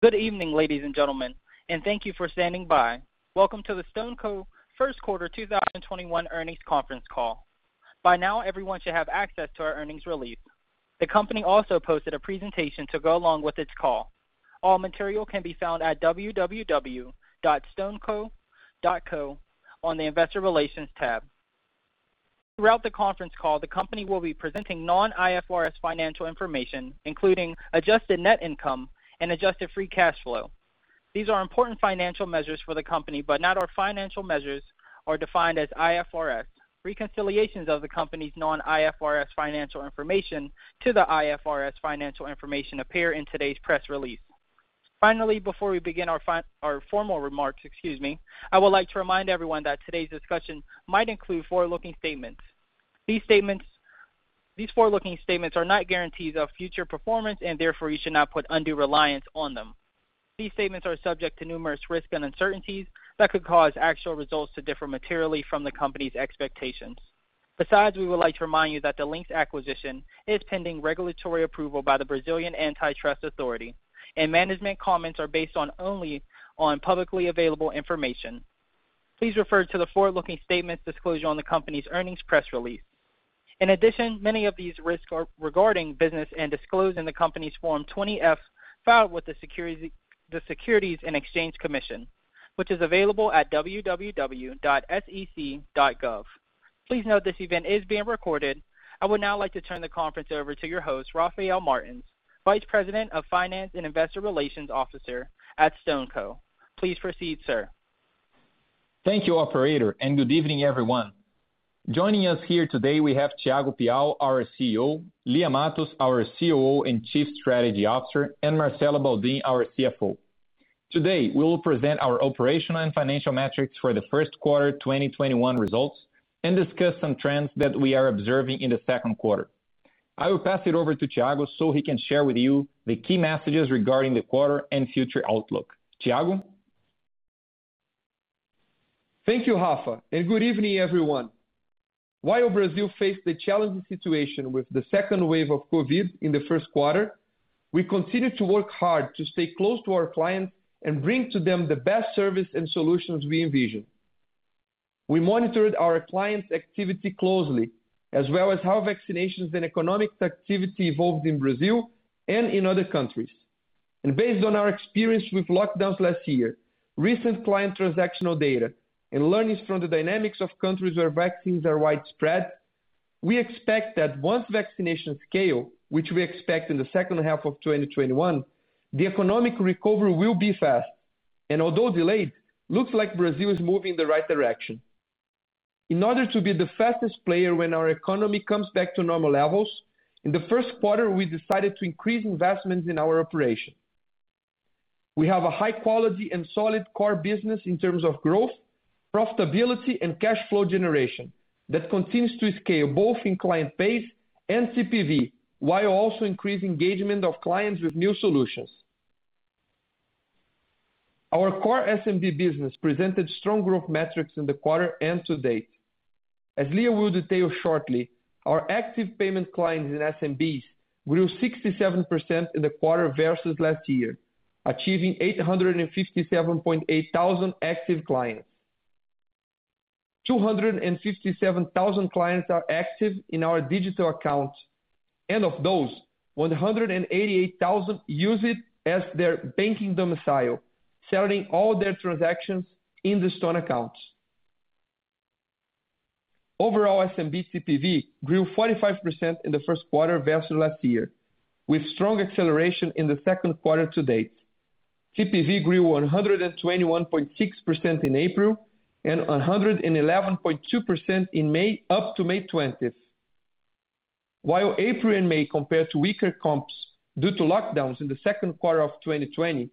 Good evening, ladies and gentlemen, and thank you for standing by. Welcome to the StoneCo First Quarter 2021 Earnings Conference Call. By now, everyone should have access to our earnings release. The company also posted a presentation to go along with its call. All material can be found at www.stoneco.co on the investor relations tab. Throughout the conference call, the company will be presenting non-IFRS financial information, including adjusted net income and adjusted free cash flow. These are important financial measures for the company, but not all financial measures are defined as IFRS. Reconciliations of the company's non-IFRS financial information to the IFRS financial information appear in today's press release. Finally, before we begin our formal remarks, I would like to remind everyone that today's discussion might include forward-looking statements. These forward-looking statements are not guarantees of future performance, and therefore, you should not put undue reliance on them. These statements are subject to numerous risks and uncertainties that could cause actual results to differ materially from the company's expectations. Besides, we would like to remind you that the Linx acquisition is pending regulatory approval by the Brazilian antitrust authority, and management comments are based only on publicly available information. Please refer to the forward-looking statements disclosure on the company's earnings press release. In addition, many of these risks regarding business and disclose in the company's Form 20-F filed with the Securities and Exchange Commission, which is available at www.sec.gov. Please note this event is being recorded. I would now like to turn the conference over to your host, Rafael Martins, Vice President of Finance and Investor Relations Officer at StoneCo. Please proceed, sir. Thank you, operator. Good evening, everyone. Joining us here today, we have Thiago Piau, our CEO, Lia Matos, our COO and Chief Strategy Officer, and Marcelo Baldin, our CFO. Today, we will present our operational and financial metrics for the first quarter 2021 results and discuss some trends that we are observing in the second quarter. I will pass it over to Thiago so he can share with you the key messages regarding the quarter and future outlook. Thiago? Thank you, Rafael. Good evening, everyone. While Brazil faced a challenging situation with the second wave of COVID in the first quarter, we continued to work hard to stay close to our clients and bring to them the best service and solutions we envision. We monitored our clients' activity closely, as well as how vaccinations and economic activity evolved in Brazil and in other countries. Based on our experience with lockdowns last year, recent client transactional data, and learnings from the dynamics of countries where vaccines are widespread, we expect that once vaccinations scale, which we expect in the second half of 2021, the economic recovery will be fast. Although delayed, looks like Brazil is moving in the right direction. In order to be the fastest player when our economy comes back to normal levels, in the first quarter, we decided to increase investments in our operation. We have a high quality and solid core business in terms of growth, profitability, and cash flow generation that continues to scale both in client base and TPV, while also increasing engagement of clients with new solutions. Our core SMB business presented strong growth metrics in the quarter and to date. As Lia will detail shortly, our active payment clients in SMB grew 67% in the quarter versus last year, achieving 857,800 active clients. 257,000 clients are active in our digital accounts. Of those, 188,000 use it as their banking domicile, selling all their transactions in the Stone accounts. Overall SMB TPV grew 45% in the first quarter versus last year, with strong acceleration in the second quarter to date. TPV grew 121.6% in April and 111.2% in May up to May 20th. While April and May compared to weaker comps due to lockdowns in the second quarter of 2020,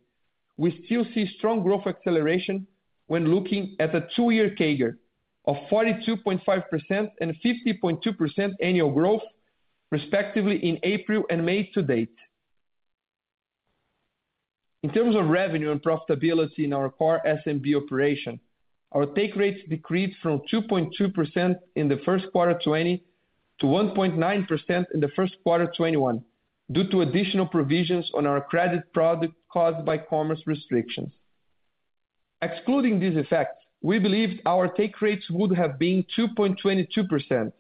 we still see strong growth acceleration when looking at a two year CAGR of 42.5% and 50.2% annual growth, respectively, in April and May to date. In terms of revenue and profitability in our core SMB operation, our take rates decreased from 2.2% in the first quarter of 2020 to 1.9% in the first quarter of 2021 due to additional provisions on our credit product caused by commerce restrictions. Excluding this effect, we believe our take rates would have been 2.22%.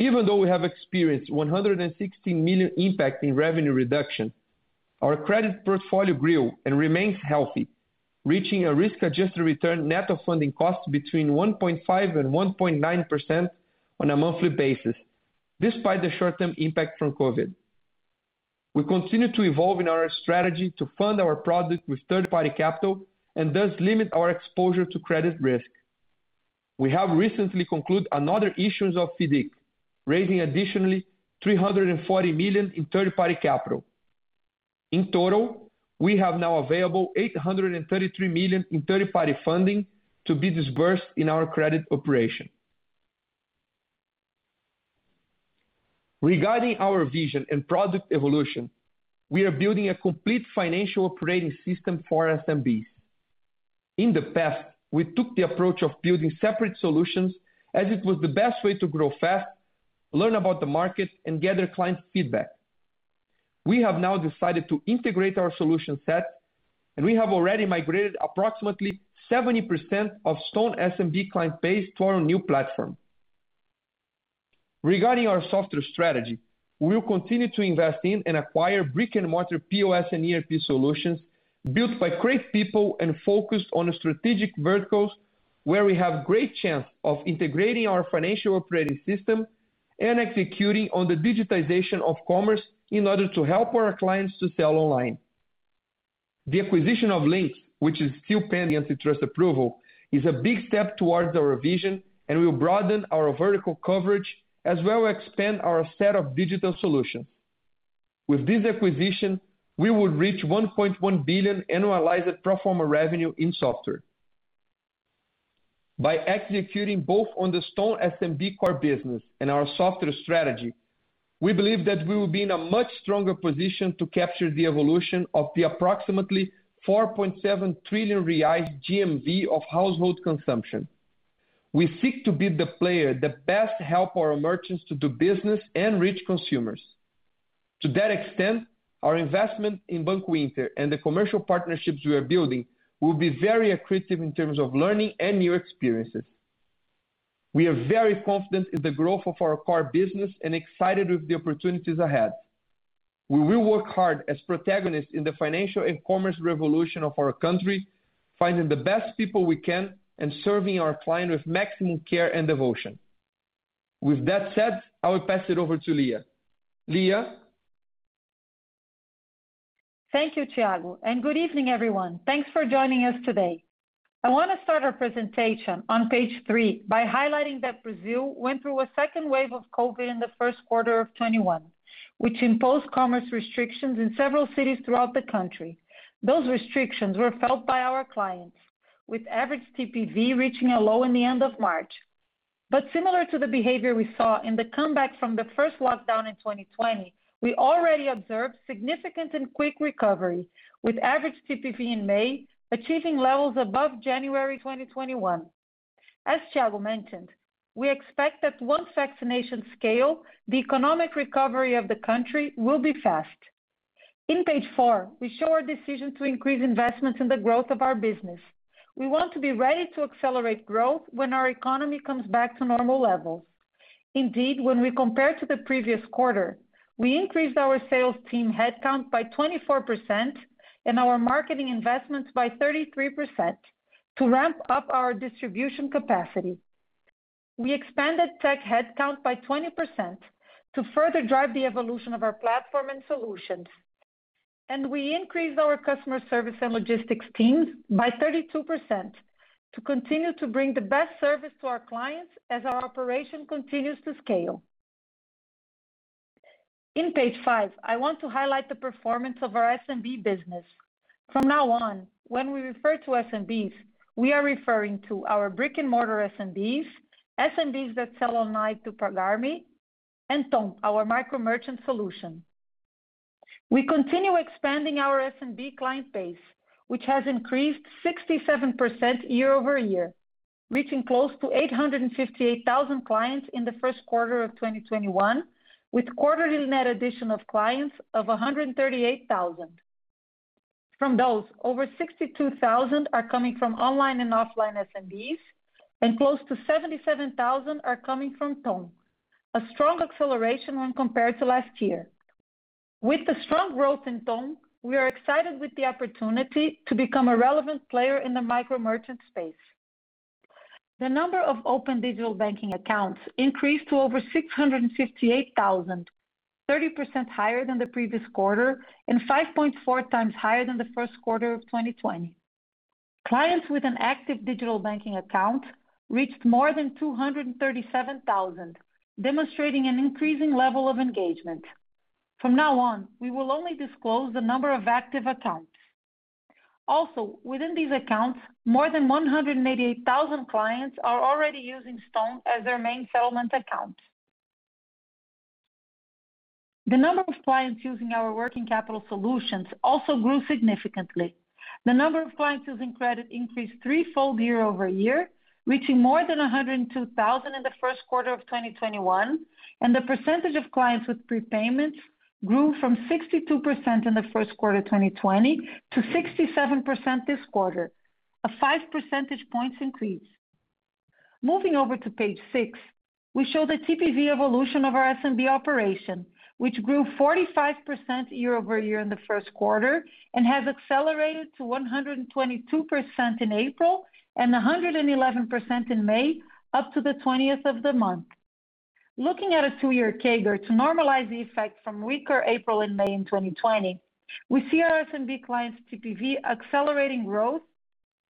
Even though we have experienced 116 million impact in revenue reduction, our credit portfolio grew and remains healthy, reaching a risk-adjusted return net of funding cost between 1.5% and 1.9% on a monthly basis, despite the short-term impact from COVID. We continue to evolve in our strategy to fund our product with third-party capital and thus limit our exposure to credit risk. We have recently concluded another issuance of FIDC, raising additionally 340 million in third-party capital. In total, we have now available 833 million in third-party funding to be disbursed in our credit operation. Regarding our vision and product evolution, we are building a complete financial operating system for SMBs. In the past, we took the approach of building separate solutions as it was the best way to grow fast, learn about the market, and gather clients' feedback. We have now decided to integrate our solution set, and we have already migrated approximately 70% of Stone SMB client base to our new platform. Regarding our software strategy, we will continue to invest in and acquire brick-and-mortar POS and ERP solutions built by great people and focused on strategic verticals where we have great chance of integrating our financial operating system and executing on the digitization of commerce in order to help our clients to sell online. The acquisition of Linx, which is still pending antitrust approval, is a big step towards our vision and will broaden our vertical coverage as well as expand our set of digital solutions. With this acquisition, we will reach 1.1 billion annualized pro forma revenue in software. By executing both on the Stone SMB core business and our software strategy, we believe that we will be in a much stronger position to capture the evolution of the approximately 4.7 trillion GMV of household consumption. We seek to be the player that best help our merchants to do business and reach consumers. To that extent, our investment in Banco Inter and the commercial partnerships we are building will be very accretive in terms of learning and new experiences. We are very confident in the growth of our core business and excited with the opportunities ahead. We will work hard as protagonists in the financial and commerce revolution of our country, finding the best people we can and serving our clients with maximum care and devotion. With that said, I will pass it over to Lia. Lia? Thank you, Thiago. Good evening, everyone. Thanks for joining us today. I want to start our presentation on page three by highlighting that Brazil went through a second wave of COVID in the first quarter of 2021, which imposed commerce restrictions in several cities throughout the country. Those restrictions were felt by our clients, with average TPV reaching a low in the end of March. Similar to the behavior we saw in the comeback from the first lockdown in 2020, we already observed significant and quick recovery, with average TPV in May achieving levels above January 2021. As Thiago mentioned, we expect that once vaccinations scale, the economic recovery of the country will be fast. On page four, we show our decision to increase investments in the growth of our business. We want to be ready to accelerate growth when our economy comes back to normal levels. Indeed, when we compare to the previous quarter, we increased our sales team headcount by 24% and our marketing investments by 33% to ramp up our distribution capacity. We expanded tech headcount by 20% to further drive the evolution of our platform and solutions. We increased our customer service and logistics teams by 32% to continue to bring the best service to our clients as our operation continues to scale. On page five, I want to highlight the performance of our SMB business. From now on, when we refer to SMBs, we are referring to our brick-and-mortar SMBs that sell online through Pagar.me, and TON, our micro merchant solution. We continue expanding our SMB client base, which has increased 67% year-over-year, reaching close to 858,000 clients in the first quarter of 2021, with quarterly net addition of clients of 138,000. From those, over 62,000 are coming from online and offline SMBs and close to 77,000 are coming from TON, a strong acceleration when compared to last year. With the strong growth in TON, we are excited with the opportunity to become a relevant player in the micro merchant space. The number of open digital banking accounts increased to over 658,000, 30% higher than the previous quarter and 5.4x higher than the first quarter of 2020. Clients with an active digital banking account reached more than 237,000, demonstrating an increasing level of engagement. From now on, we will only disclose the number of active accounts. Also, within these accounts, more than 188,000 clients are already using Stone as their main settlement account. The number of clients using our working capital solutions also grew significantly. The number of clients using credit increased threefold year-over-year, reaching more than 102,000 in the first quarter of 2021, and the percentage of clients with prepayments grew from 62% in the first quarter 2020 to 67% this quarter, a five percentage points increase. Moving over to page six, we show the TPV evolution of our SMB operation, which grew 45% year-over-year in the first quarter and has accelerated to 122% in April and 111% in May up to the 20th of the month. Looking at a two-year CAGR to normalize the effect from weaker April and May in 2020, we see our SMB clients TPV accelerating growth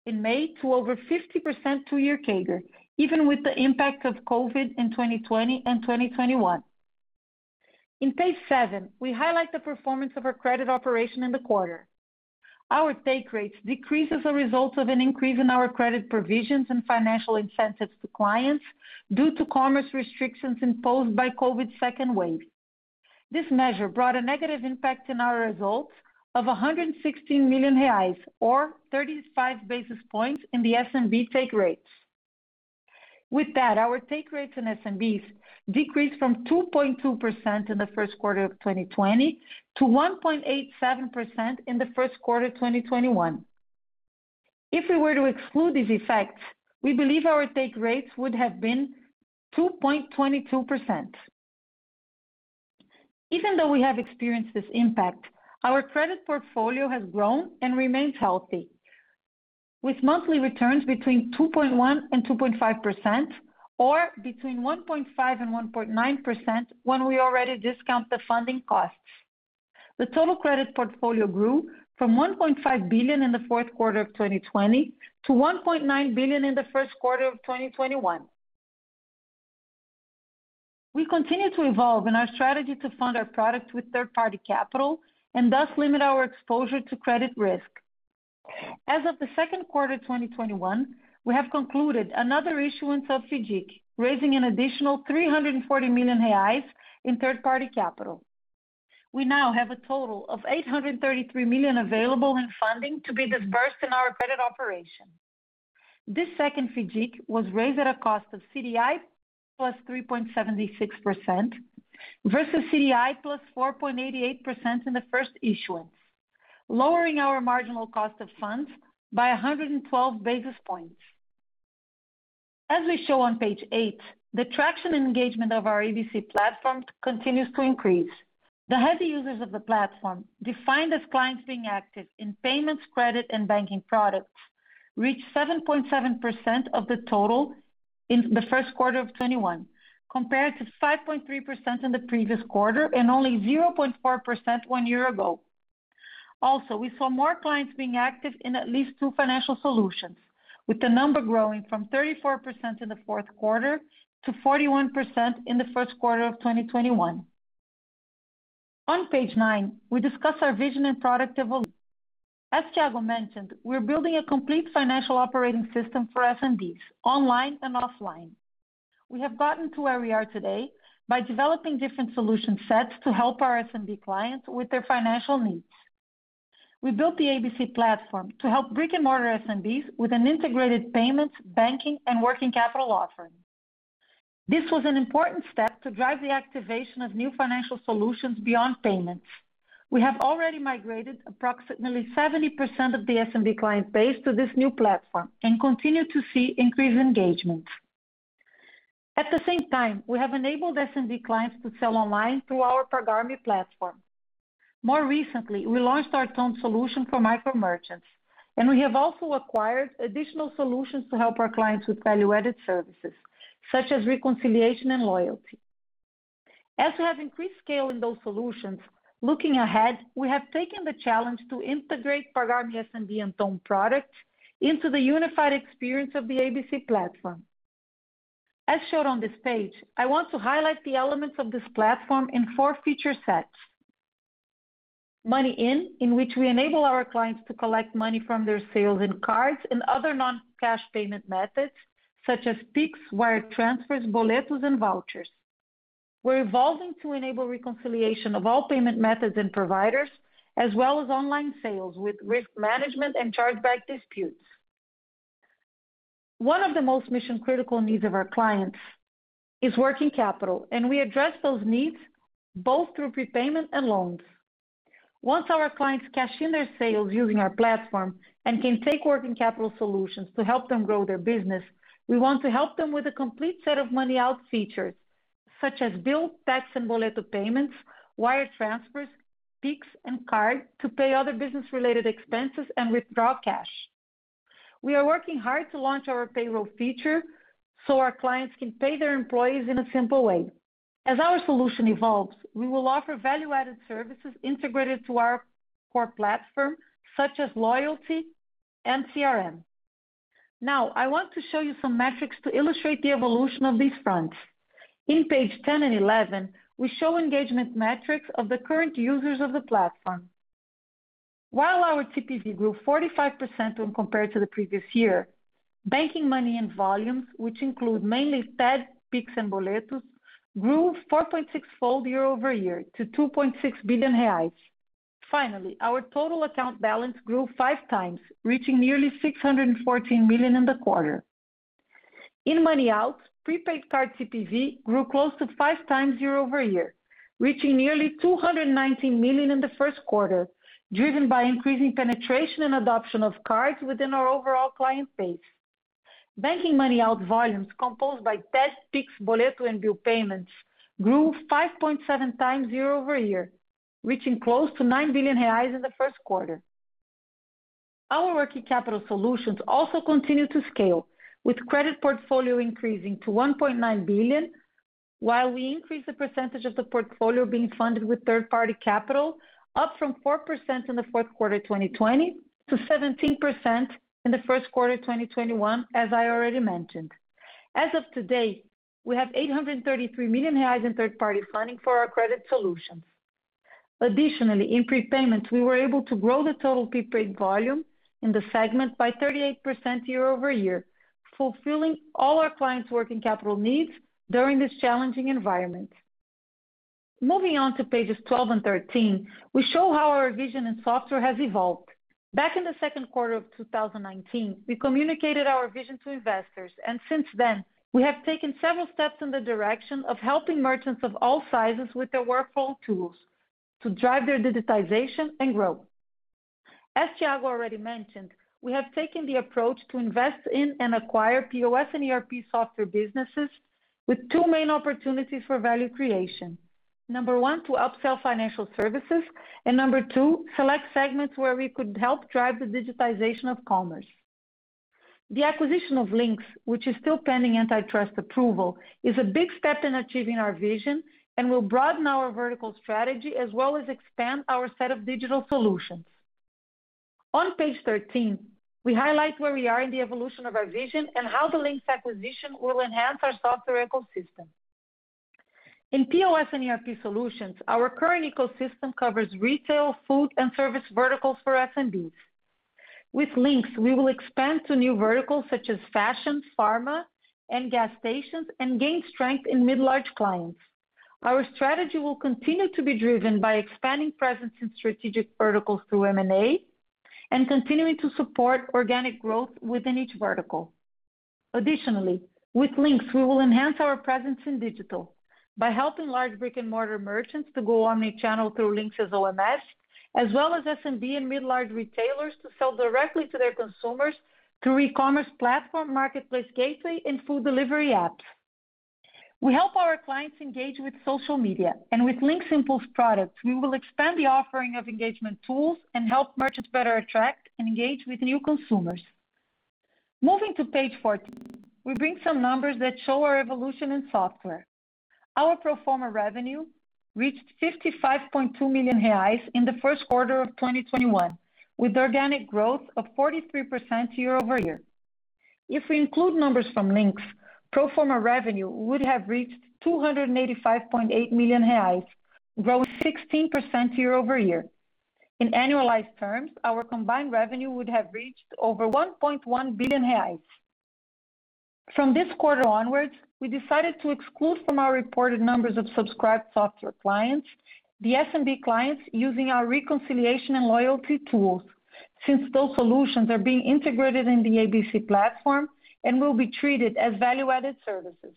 in May to over 50% two-year CAGR, even with the impact of COVID in 2020 and 2021. On page seven, we highlight the performance of our credit operation in the quarter. Our take rates decreased as a result of an increase in our credit provisions and financial incentives to clients due to commerce restrictions imposed by COVID's second wave. This measure brought a negative impact in our results of 116 million reais, or 35 basis points in the SMB take rates. With that, our take rates in SMBs decreased from 2.2% in the first quarter of 2020 to 1.87% in the first quarter of 2021. If we were to exclude these effects, we believe our take rates would have been 2.22%. Even though we have experienced this impact, our credit portfolio has grown and remains healthy, with monthly returns between 2.1%-2.5%, or between 1.5%-1.9% when we already discount the funding costs. The total credit portfolio grew from 1.5 billion in the fourth quarter of 2020 to 1.9 billion in the first quarter of 2021. We continue to evolve in our strategy to fund our product with third-party capital, and thus limit our exposure to credit risk. As of the second quarter of 2021, we have concluded another issuance of FIDC, raising an additional 340 million reais in third-party capital. We now have a total of 833 million available in funding to be disbursed in our credit operation. This second FIDC was raised at a cost of CDI plus 3.76%, versus CDI plus 4.88% in the first issuance, lowering our marginal cost of funds by 112 basis points. As we show on page eight, the traction engagement of our SMB platform continues to increase. The heavy users of the platform, defined as clients being active in payments, credit, and banking products, reached 7.7% of the total in the first quarter of 2021, compared to 5.3% in the previous quarter and only 0.4% one year ago. We saw more clients being active in at least two financial solutions, with the number growing from 34% in the fourth quarter to 41% in the first quarter of 2021. On page nine, we discuss our vision and product evolution. As Thiago mentioned, we're building a complete financial operating system for SMBs, online and offline. We have gotten to where we are today by developing different solution sets to help our SMB clients with their financial needs. We built the SMB platform to help brick-and-mortar SMBs with an integrated payments, banking, and working capital offering. This was an important step to drive the activation of new financial solutions beyond payments. We have already migrated approximately 70% of the SMB client base to this new platform and continue to see increased engagement. At the same time, we have enabled SMB clients to sell online through our Pagar.me platform. More recently, we launched our TON solution for micro merchants, and we have also acquired additional solutions to help our clients with value-added services, such as reconciliation and loyalty. As we have increased scale in those solutions, looking ahead, we have taken the challenge to integrate Pagar.me SMB and Stone products into the unified experience of the ABC platform. As shown on this page, I want to highlight the elements of this platform in four feature sets. Money in which we enable our clients to collect money from their sales and cards and other non-cash payment methods, such as Pix, wire transfers, boletos, and vouchers. We're evolving to enable reconciliation of all payment methods and providers, as well as online sales with risk management and chargeback disputes. One of the most mission-critical needs of our clients is working capital, and we address those needs both through prepayment and loans. Once our clients cash in their sales using our platform and can take working capital solutions to help them grow their business, we want to help them with a complete set of money out features, such as bills, tax, and Boleto payments, wire transfers, Pix, and card to pay other business-related expenses and withdraw cash. We are working hard to launch our payroll feature so our clients can pay their employees in a simple way. As our solution evolves, we will offer value-added services integrated to our core platform, such as loyalty and CRM. Now, I want to show you some metrics to illustrate the evolution of these fronts. In page 10 and 11, we show engagement metrics of the current users of the platform. While our CPV grew 45% when compared to the previous year, banking money and volumes, which include mainly TED, Pix, and boletos, grew 4.6x year-over-year to 2.6 billion reais. Finally, our total account balance grew five times, reaching nearly 614 million in the quarter. In money out, prepaid card CPV grew close to five times year-over-year, reaching nearly 219 million in the first quarter, driven by increasing penetration and adoption of cards within our overall client base. Banking money out volumes composed by TED, Pix, boleto, and bill payments grew 5.7x year-over-year, reaching close to 9 billion reais in the first quarter. Our working capital solutions also continue to scale, with credit portfolio increasing to 1.9 billion, while we increase the percentage of the portfolio being funded with third-party capital, up from 4% in the fourth quarter of 2020 to 17% in the first quarter of 2021, as I already mentioned. As of today, we have 833 million reais in third-party funding for our credit solutions. Additionally, in prepayments, we were able to grow the total prepaid volume in the segment by 38% year-over-year, fulfilling all our clients' working capital needs during this challenging environment. Moving on to pages 12 and 13, we show how our vision in software has evolved. Back in the second quarter of 2019, we communicated our vision to investors. Since then, we have taken several steps in the direction of helping merchants of all sizes with their workflow tools to drive their digitization and growth. As Thiago already mentioned, we have taken the approach to invest in and acquire POS and ERP software businesses with two main opportunities for value creation. Number one, to upsell financial services, and number two, select segments where we could help drive the digitization of commerce. The acquisition of Linx, which is still pending antitrust approval, is a big step in achieving our vision and will broaden our vertical strategy as well as expand our set of digital solutions. On page 13, we highlight where we are in the evolution of our vision and how the Linx acquisition will enhance our software ecosystem. In POS and ERP solutions, our current ecosystem covers retail, food, and service verticals for SMBs. With Linx, we will expand to new verticals such as fashion, pharma, and gas stations, and gain strength in mid-large clients. Our strategy will continue to be driven by expanding presence in strategic verticals through M&A and continuing to support organic growth within each vertical. Additionally, with Linx, we will enhance our presence in digital by helping large brick-and-mortar merchants to go omnichannel through Linx as OMS, as well as SMB and mid-large retailers to sell directly to their consumers through e-commerce platform Marketplace Gateway and food delivery apps. We help our clients engage with social media, and with Linx's Impulse products, we will expand the offering of engagement tools and help merchants better attract and engage with new consumers. Moving to page 14, we bring some numbers that show our evolution in software. Our pro forma revenue reached 55.2 million reais in the first quarter of 2021, with organic growth of 43% year-over-year. If we include numbers from Linx, pro forma revenue would have reached 285.8 million reais, growing 16% year-over-year. In annualized terms, our combined revenue would have reached over 1.1 billion reais. From this quarter onwards, we decided to exclude from our reported numbers of subscribed software clients the SMB clients using our reconciliation and loyalty tools, since those solutions are being integrated in the ABC platform and will be treated as value-added services.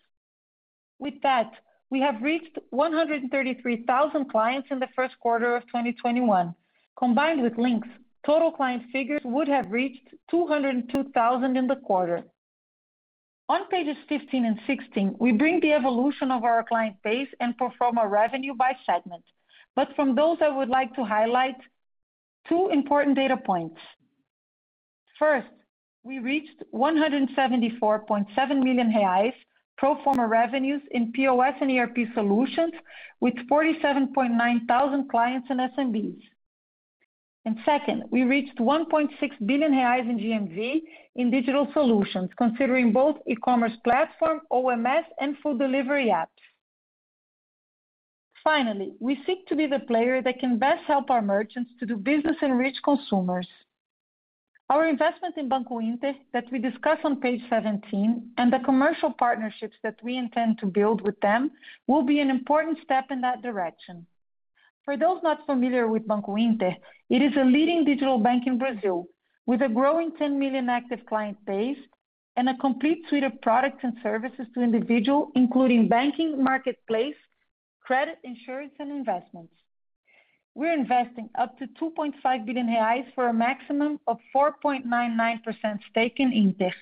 With that, we have reached 133,000 clients in the first quarter of 2021. Combined with Linx, total clients figures would have reached 202,000 in the quarter. On pages 15 and 16, we bring the evolution of our client base and pro forma revenue by segment. From those, I would like to highlight two important data points. First, we reached 174.7 million reais pro forma revenues in POS and ERP solutions with 47,900 clients and SMBs. Second, we reached 1.6 billion reais in GMV in digital solutions, considering both e-commerce platform, OMS, and food delivery apps. Finally, we seek to be the player that can best help our merchants to do business and reach consumers. Our investment in Banco Inter that we discuss on page 17 and the commercial partnerships that we intend to build with them will be an important step in that direction. For those not familiar with Banco Inter, it is a leading digital bank in Brazil with a growing 10 million active client base and a complete suite of products and services to individuals, including banking, marketplace, credit, insurance, and investments. We're investing up to 2.5 billion reais for a maximum of 4.99% stake in Inter.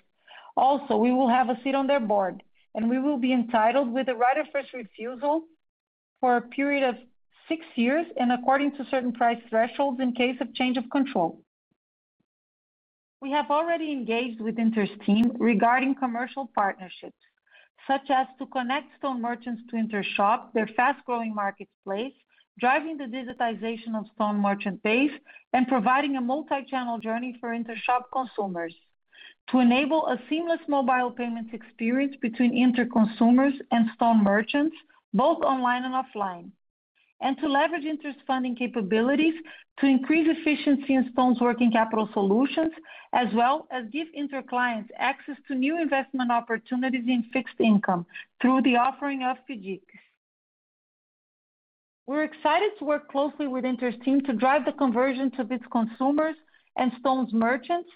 We will have a seat on their board, and we will be entitled with the right of first refusal for a period of six years and according to certain price thresholds in case of change of control. We have already engaged with Inter's team regarding commercial partnerships, such as to connect Stone merchants to Inter Shop, their fast-growing marketplace, driving the digitization of Stone merchant base, and providing a multi-channel journey for Inter Shop consumers to enable a seamless mobile payments experience between Inter consumers and Stone merchants, both online and offline. To leverage Inter's funding capabilities to increase efficiency in Stone's working capital solutions, as well as give Inter clients access to new investment opportunities in fixed income through the offering of FIDC. We're excited to work closely with Inter's team to drive the conversion to its consumers and Stone's merchants.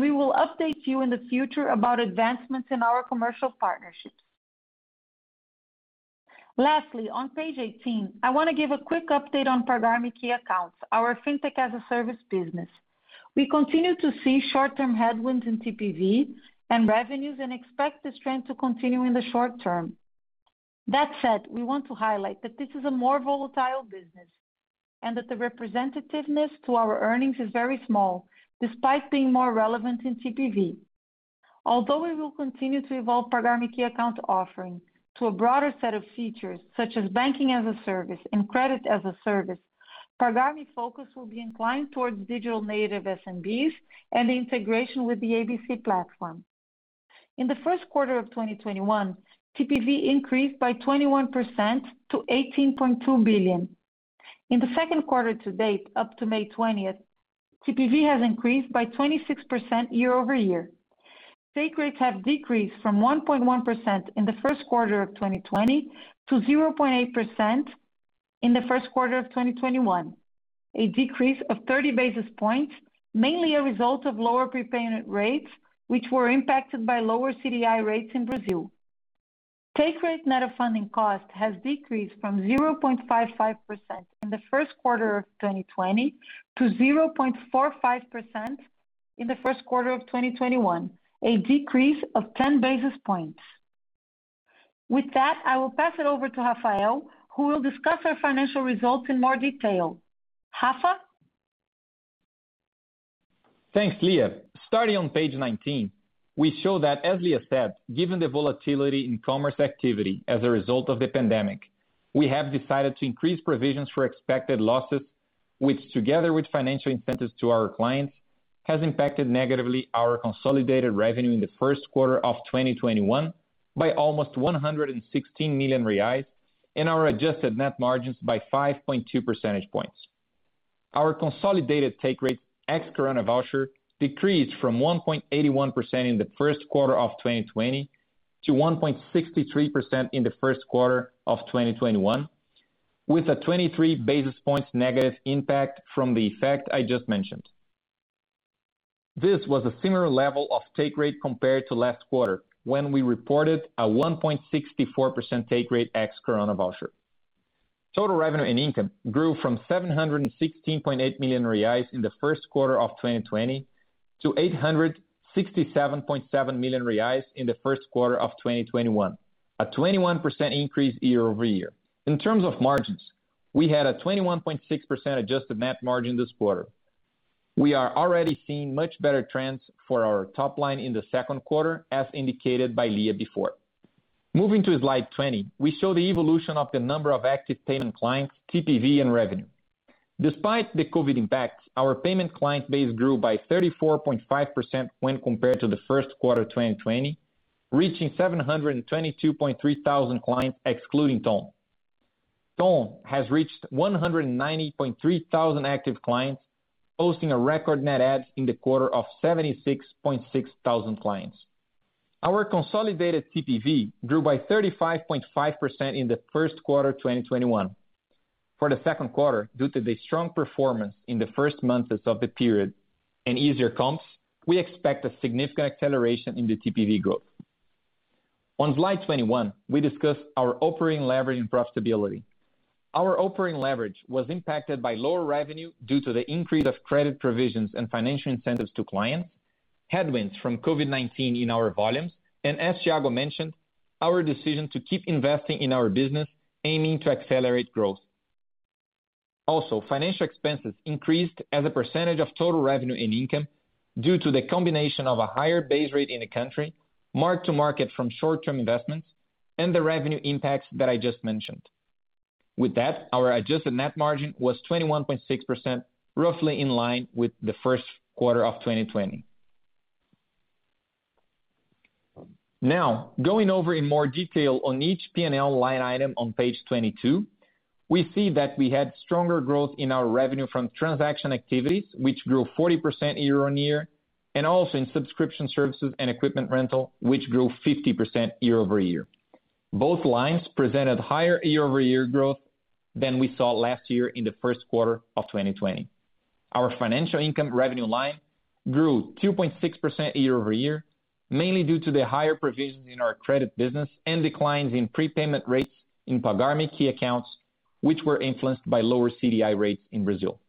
We will update you in the future about advancements in our commercial partnerships. Lastly, on page 18, I want to give a quick update on Pagar.me key accounts, our fintech-as-a-service business. We continue to see short-term headwinds in TPV and revenues. We expect the trend to continue in the short term. That said, we want to highlight that this is a more volatile business and that the representativeness to our earnings is very small despite being more relevant in TPV. We will continue to evolve Pagar.me Key Account offerings to a broader set of features such as Banking-as-a-Service and Credit-as-a-Service. Pagar.me's focus will be inclined towards digital native SMBs and the integration with the ABC platform. In the first quarter of 2021, TPV increased by 21% to 18.2 billion. In the second quarter to date, up to May 20th, TPV has increased by 26% year-over-year. Take rates have decreased from 1.1% in the first quarter of 2020 to 0.8% in the first quarter of 2021, a decrease of 30 basis points, mainly a result of lower prepayment rates, which were impacted by lower CDI rates in Brazil. Take rate net of funding cost has decreased from 0.55% in the first quarter of 2020 to 0.45% in the first quarter of 2021, a decrease of 10 basis points. With that, I will pass it over to Rafael, who will discuss our financial results in more detail. Rafa? Thanks, Lia. Starting on page 19, we show that as we have said, given the volatility in commerce activity as a result of the pandemic, we have decided to increase provisions for expected losses, which together with financial incentives to our clients, has impacted negatively our consolidated revenue in the first quarter of 2021 by almost 116 million reais and our Adjusted Net Margins by 5.2 percentage points. Our consolidated take rate ex Corona Voucher decreased from 1.81% in the first quarter of 2020 to 1.63% in the first quarter of 2021, with a 23 basis points negative impact from the effect I just mentioned. This was a similar level of take rate compared to last quarter when we reported a 1.64% take rate ex Corona Voucher. Total revenue and income grew from 716.8 million reais in the first quarter of 2020 to 867.7 million reais in the first quarter of 2021, a 21% increase year-over-year. In terms of margins, we had a 21.6% adjusted net margin this quarter. We are already seeing much better trends for our top line in the second quarter, as indicated by Lia before. Moving to slide 20, we show the evolution of the number of active payment clients, TPV, and revenue. Despite the COVID impacts, our payment client base grew by 34.5% when compared to the first quarter 2020, reaching 722,300 clients excluding TON. TON has reached 190,300 active clients, posting a record net add in the quarter of 76,600 clients. Our consolidated TPV grew by 35.5% in the first quarter of 2021. For the second quarter, due to the strong performance in the first months of the period and easier comps, we expect a significant acceleration in the TPV growth. On slide 21, we discuss our operating leverage and profitability. Our operating leverage was impacted by lower revenue due to the increase of credit provisions and financial incentives to clients, headwinds from COVID-19 in our volumes, and as Thiago mentioned, our decision to keep investing in our business aiming to accelerate growth. Also, financial expenses increased as a percentage of total revenue and income due to the combination of a higher base rate in the country, mark-to-market from short-term investments, and the revenue impacts that I just mentioned. With that, our adjusted net margin was 21.6%, roughly in line with the first quarter of 2020. Now, going over in more detail on each P&L line item on page 22, we see that we had stronger growth in our revenue from transaction activities, which grew 40% year-over-year, and also in subscription services and equipment rental, which grew 50% year-over-year. Both lines presented higher year-over-year growth than we saw last year in the first quarter of 2020. Our financial income revenue line grew 2.6% year-over-year, mainly due to the higher provisions in our credit business and declines in prepayment rates in Pagar.me Key Accounts, which were influenced by lower CDI rates in Brazil.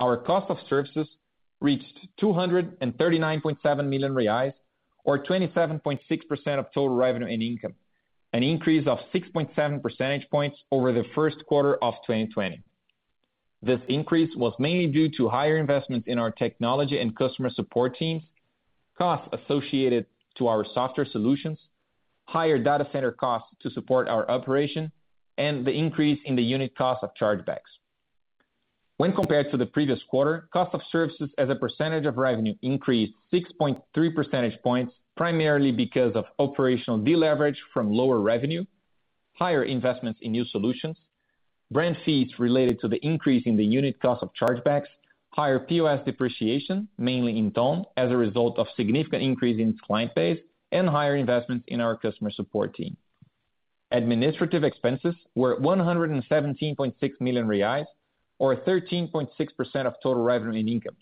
Our cost of services reached 239.7 million reais, or 27.6% of total revenue and income, an increase of 6.7 percentage points over the first quarter of 2020. This increase was mainly due to higher investments in our technology and customer support teams, costs associated to our software solutions, higher data center costs to support our operation, and the increase in the unit cost of chargebacks. When compared to the previous quarter, cost of services as a percentage of revenue increased 6.3 percentage points primarily because of operational deleverage from lower revenue, higher investments in new solutions, rent fees related to the increase in the unit cost of chargebacks, higher POS depreciation, mainly in TON as a result of significant increase in client base, and higher investments in our customer support team. Administrative expenses were 117.6 million reais or 13.6% of total revenue and income,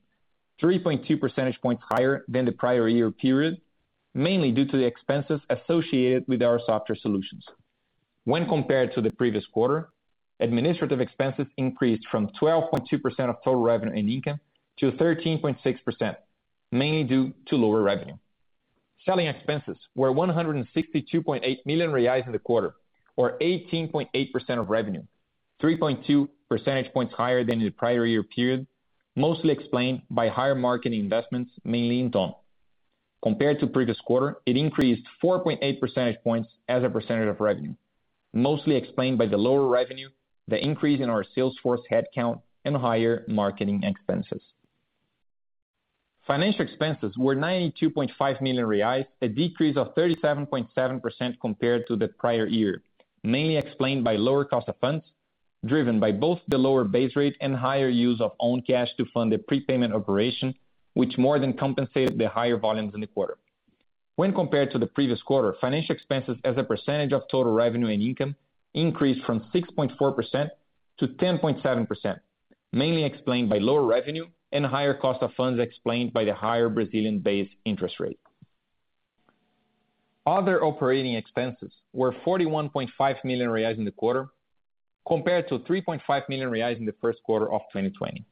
3.2 percentage points higher than the prior year period, mainly due to the expenses associated with our software solutions. When compared to the previous quarter, administrative expenses increased from 12.2% of total revenue and income to 13.6%, mainly due to lower revenue. Selling expenses were 162.8 million reais in the quarter, or 18.8% of revenue, 3.2 percentage points higher than the prior year period, mostly explained by higher marketing investments, mainly in TON. Compared to the previous quarter, it increased 4.8 percentage points as a percentage of revenue. Mostly explained by the lower revenue, the increase in our sales force headcount, and higher marketing expenses. Financial expenses were 92.5 million reais, a decrease of 37.7% compared to the prior year, mainly explained by lower cost of funds, driven by both the lower base rate and higher use of own cash to fund the prepayment operation, which more than compensated the higher volumes in the quarter. When compared to the previous quarter, financial expenses as a percentage of total revenue and income increased from 6.4% to 10.7%, mainly explained by lower revenue and higher cost of funds explained by the higher Brazilian base interest rate. Other operating expenses were 41.5 million reais in the quarter compared to 3.5 million reais in the first quarter of 2020.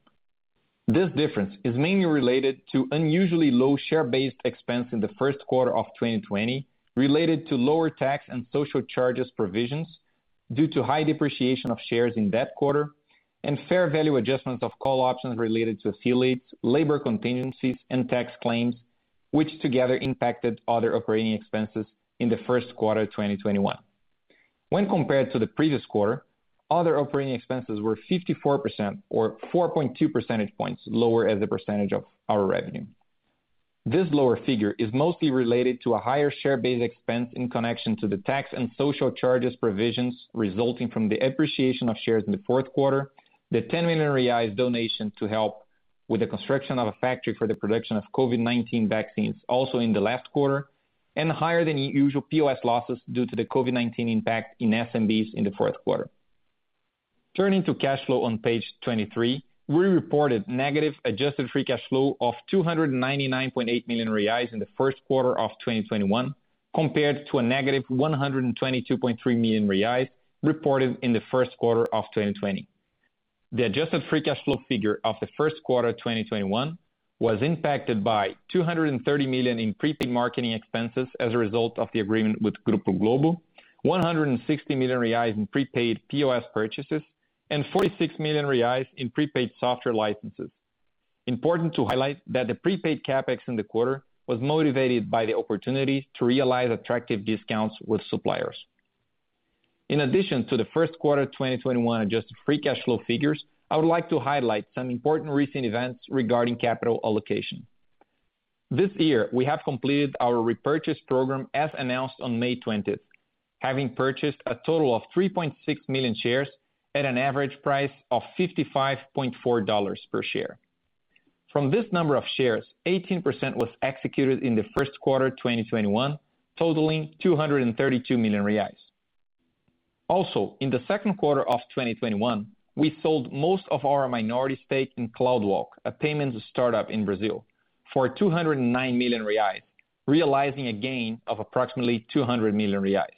This difference is mainly related to unusually low share-based expense in the first quarter of 2020, related to lower tax and social charges provisions due to high depreciation of shares in that quarter and fair value adjustments of call options related to affiliates, labor contingencies, and tax claims, which together impacted other operating expenses in the first quarter of 2021. When compared to the previous quarter, other operating expenses were 54% or 4.2 percentage points lower as a percentage of our revenue. This lower figure is mostly related to a higher share-based expense in connection to the tax and social charges provisions resulting from the depreciation of shares in the fourth quarter, the 10 million reais donation to help with the construction of a factory for the production of COVID-19 vaccines also in the last quarter, and higher than usual POS losses due to the COVID-19 impact in SMBs in the fourth quarter. Turning to cash flow on page 23, we reported negative adjusted free cash flow of 299.8 million reais in the first quarter of 2021 compared to a negative 122.3 million reais reported in the first quarter of 2020. The adjusted free cash flow figure of the first quarter of 2021 was impacted by 230 million in prepaid marketing expenses as a result of the agreement with Grupo Globo, 160 million reais in prepaid POS purchases, and 46 million reais in prepaid software licenses. Important to highlight that the prepaid CapEx in the quarter was motivated by the opportunity to realize attractive discounts with suppliers. In addition to the first quarter of 2021 adjusted free cash flow figures, I would like to highlight some important recent events regarding capital allocation. This year, we have completed our repurchase program as announced on May 20th, having purchased a total of 3.6 million shares at an average price of $55.4 per share. From this number of shares, 18% was executed in the first quarter of 2021, totaling 232 million reais. Also, in the second quarter of 2021, we sold most of our minority stake in CloudWalk, a payments startup in Brazil, for 209 million reais, realizing a gain of approximately 200 million reais.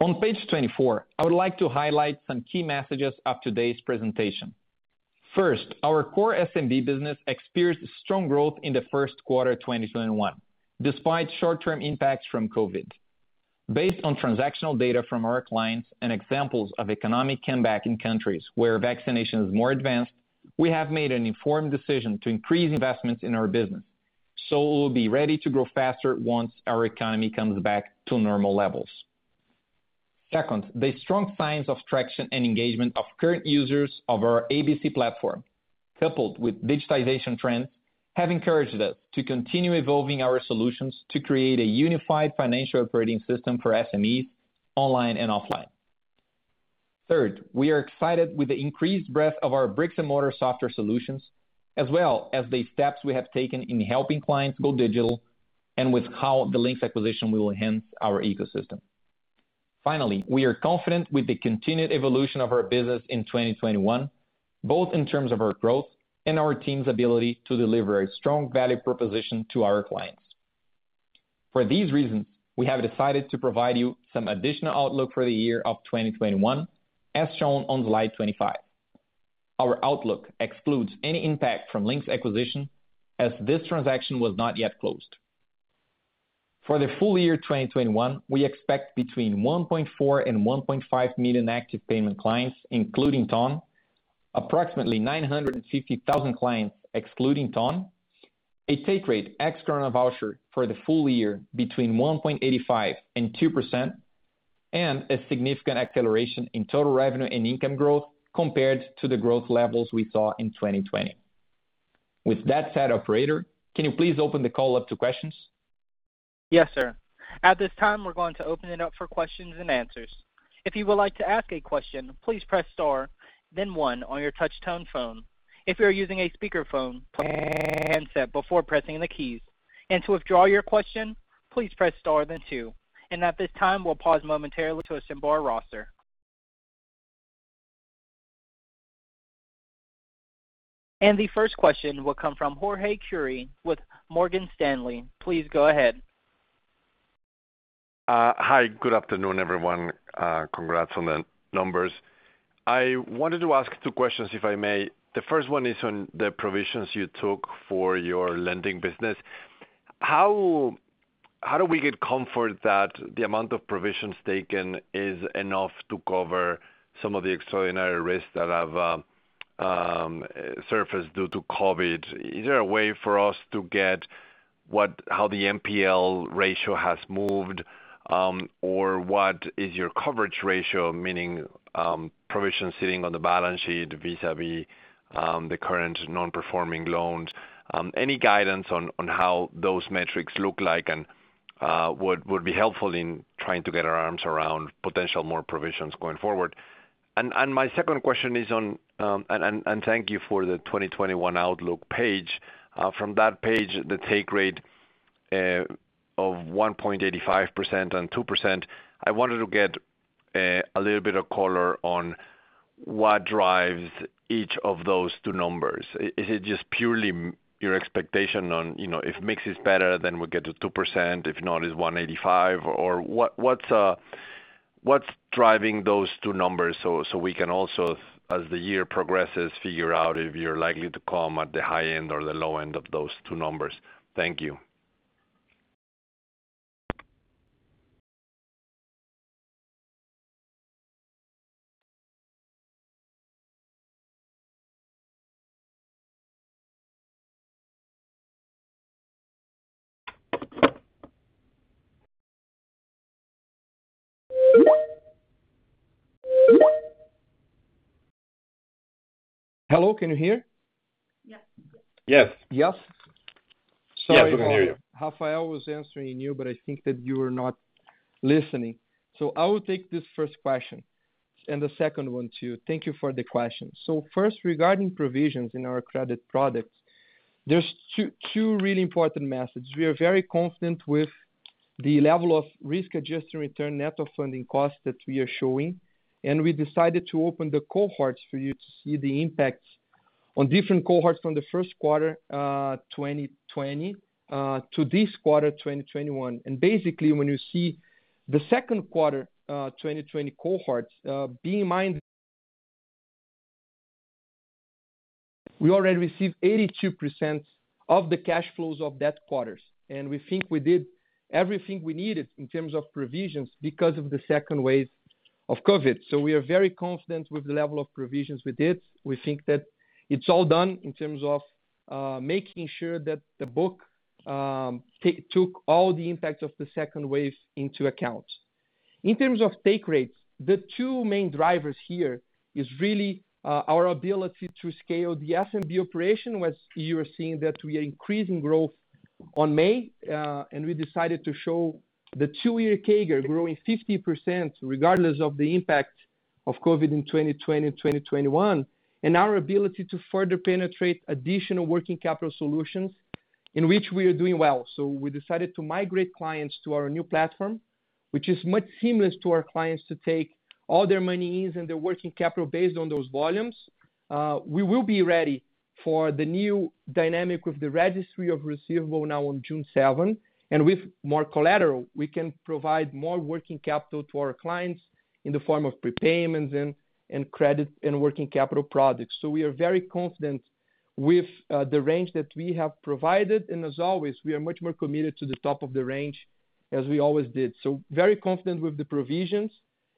On page 24, I would like to highlight some key messages of today's presentation. First, our core SMB business experienced strong growth in the first quarter of 2021, despite short-term impacts from COVID. Based on transactional data from our clients and examples of economic comeback in countries where vaccination is more advanced, we have made an informed decision to increase investments in our business so we'll be ready to grow faster once our economy comes back to normal levels. Second, the strong signs of traction and engagement of current users of our ABC platform, coupled with digitization trends, have encouraged us to continue evolving our solutions to create a unified financial operating system for SMEs online and offline. Third, we are excited with the increased breadth of our bricks and mortar software solutions, as well as the steps we have taken in helping clients go digital, and with how the Linx acquisition will enhance our ecosystem. Finally, we are confident with the continued evolution of our business in 2021, both in terms of our growth and our team's ability to deliver a strong value proposition to our clients. For these reasons, we have decided to provide you some additional outlook for the year of 2021, as shown on slide 25. Our outlook excludes any impact from Linx acquisition, as this transaction was not yet closed. For the full-year 2021, we expect between 1.4 million and 1.5 million active payment clients, including TON, approximately 950,000 clients excluding TON, a take rate ex Coronavoucher for the full-year between 1.85% and 2%, and a significant acceleration in total revenue and income growth compared to the growth levels we saw in 2020. With that said, operator, can you please open the call up to questions? Yes, sir. At this time, we're going to open it up for questions-and-answers. If you would like to ask a question, please press star then one on your touchtone phone. If you're using a speakerphone, press handset before pressing the keys. To withdraw your question, please press star then two. At this time, we'll pause momentarily to assemble our roster. The first question will come from Jorge Kuri with Morgan Stanley. Please go ahead. Hi. Good afternoon, everyone. Congrats on the numbers. I wanted to ask two questions, if I may. The first one is on the provisions you took for your lending business. How do we get comfort that the amount of provisions taken is enough to cover some of the extraordinary risks that have surface due to COVID. Is there a way for us to get how the NPL ratio has moved, or what is your coverage ratio, meaning provisions sitting on the balance sheet vis-a-vis the current non-performing loans? Any guidance on how those metrics look like and what would be helpful in trying to get our arms around potential more provisions going forward. My second question is, and thank you for the 2021 outlook page. From that page, the take rate of 1.85% and 2%, I wanted to get a little bit of color on what drives each of those two numbers. Is it just purely your expectation on, if mix is better, then we get to 2%, if not, it's 1.85%, or what's driving those two numbers so we can also, as the year progresses, figure out if you're likely to come at the high end or the low end of those two numbers? Thank you. Hello, can you hear? Yes. Yes. Yes, I can hear you. Sorry, Rafael, I was answering you, but I think that you were not listening. I will take this first question, and the second one, too. Thank you for the question. First, regarding provisions in our credit products, there's two really important messages. We are very confident with the level of risk-adjusted return net of funding costs that we are showing, and we decided to open the cohorts for you to see the impact on different cohorts from the first quarter 2020 to this quarter 2021. Basically, when you see the second quarter 2020 cohorts, bear in mind we already received 82% of the cash flows of that quarters. We think we did everything we needed in terms of provisions because of the second wave of COVID. We are very confident with the level of provisions we did. We think that it's all done in terms of making sure that the book took all the impact of the second wave into account. In terms of take rates, the two-year CAGR growing 50% regardless of the impact of COVID in 2020 and 2021. Our ability to further penetrate additional working capital solutions in which we are doing well. We decided to migrate clients to our new platform, which is much seamless to our clients to take all their monies and their working capital based on those volumes. We will be ready for the new dynamic with the registry of receivables now on June 7th. With more collateral, we can provide more working capital to our clients in the form of prepayments and credit and working capital products. We are very confident with the range that we have provided, and as always, we are much more committed to the top of the range as we always did. Very confident with the provisions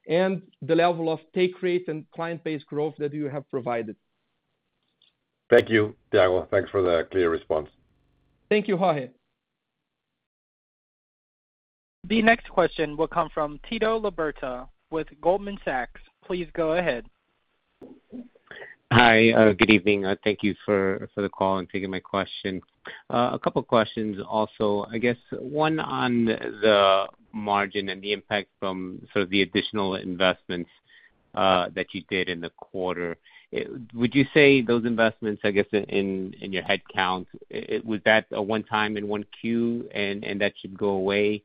and the level of take rate and client-based growth that you have provided. Thank you, Thiago. Thanks for the clear response. Thank you, Jorge. The next question will come from Tito Labarta with Goldman Sachs. Please go ahead. Hi, good evening. Thank you for the call and taking my question. A couple questions also. I guess one on the margin and the impact from sort of the additional investments that you did in the quarter. Would you say those investments, I guess, in your head count, was that a one-time in one Q, and that should go away?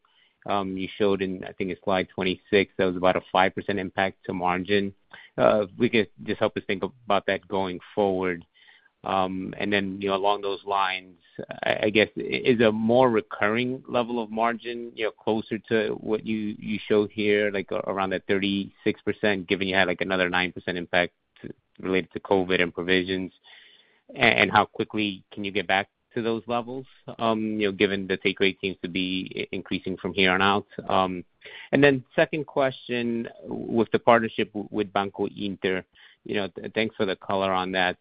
You showed in, I think it's slide 26, there was about a 5% impact to margin. If we could just help me think about that going forward. Along those lines, I guess, is a more recurring level of margin closer to what you show here, like around the 36%, given you have another 9% impact related to COVID and provisions? How quickly can you get back to those levels given the take rate seems to be increasing from here on out? Second question with the partnership with Banco Inter, thanks for the color on that.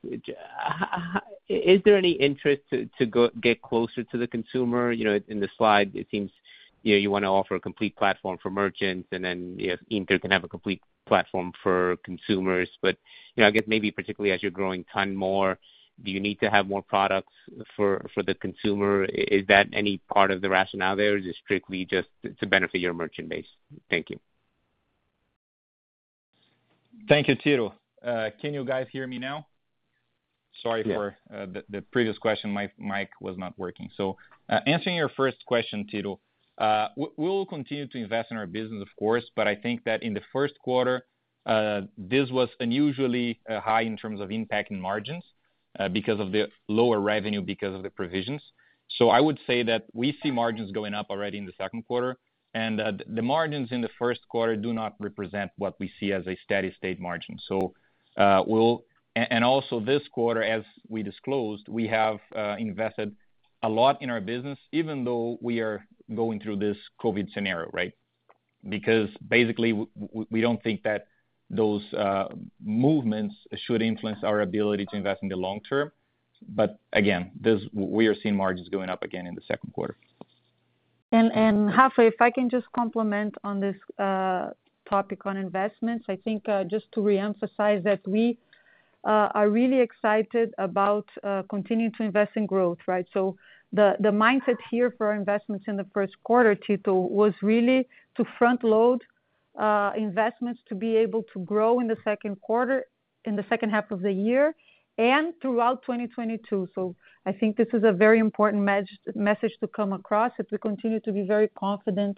Is there any interest to get closer to the consumer? In the slide, it seems you want to offer a complete platform for merchants, and then Inter can have a complete platform for consumers. I guess maybe particularly as you're growing TON more, do you need to have more products for the consumer? Is that any part of the rationale there, or is it strictly just to benefit your merchant base? Thank you. Thank you, Tito. Can you guys hear me now? Sorry for the previous question, my mic was not working. Answering your first question, Tito, we will continue to invest in our business, of course, but I think that in the first quarter, this was unusually high in terms of impacting margins because of the lower revenue, because of the provisions. I would say that we see margins going up already in the second quarter, and the margins in the first quarter do not represent what we see as a steady state margin. Also this quarter, as we disclosed, we have invested a lot in our business, even though we are going through this COVID scenario, right? Basically, we don't think that those movements should influence our ability to invest in the long term. Again, we are seeing margins going up again in the second quarter. Rafael, if I can just complement on this topic on investments, I think just to reemphasize that we are really excited about continuing to invest in growth, right? The mindset here for investments in the first quarter, Tito, was really to front-load investments to be able to grow in the second quarter, in the second half of the year, and throughout 2022. I think this is a very important message to come across, is we continue to be very confident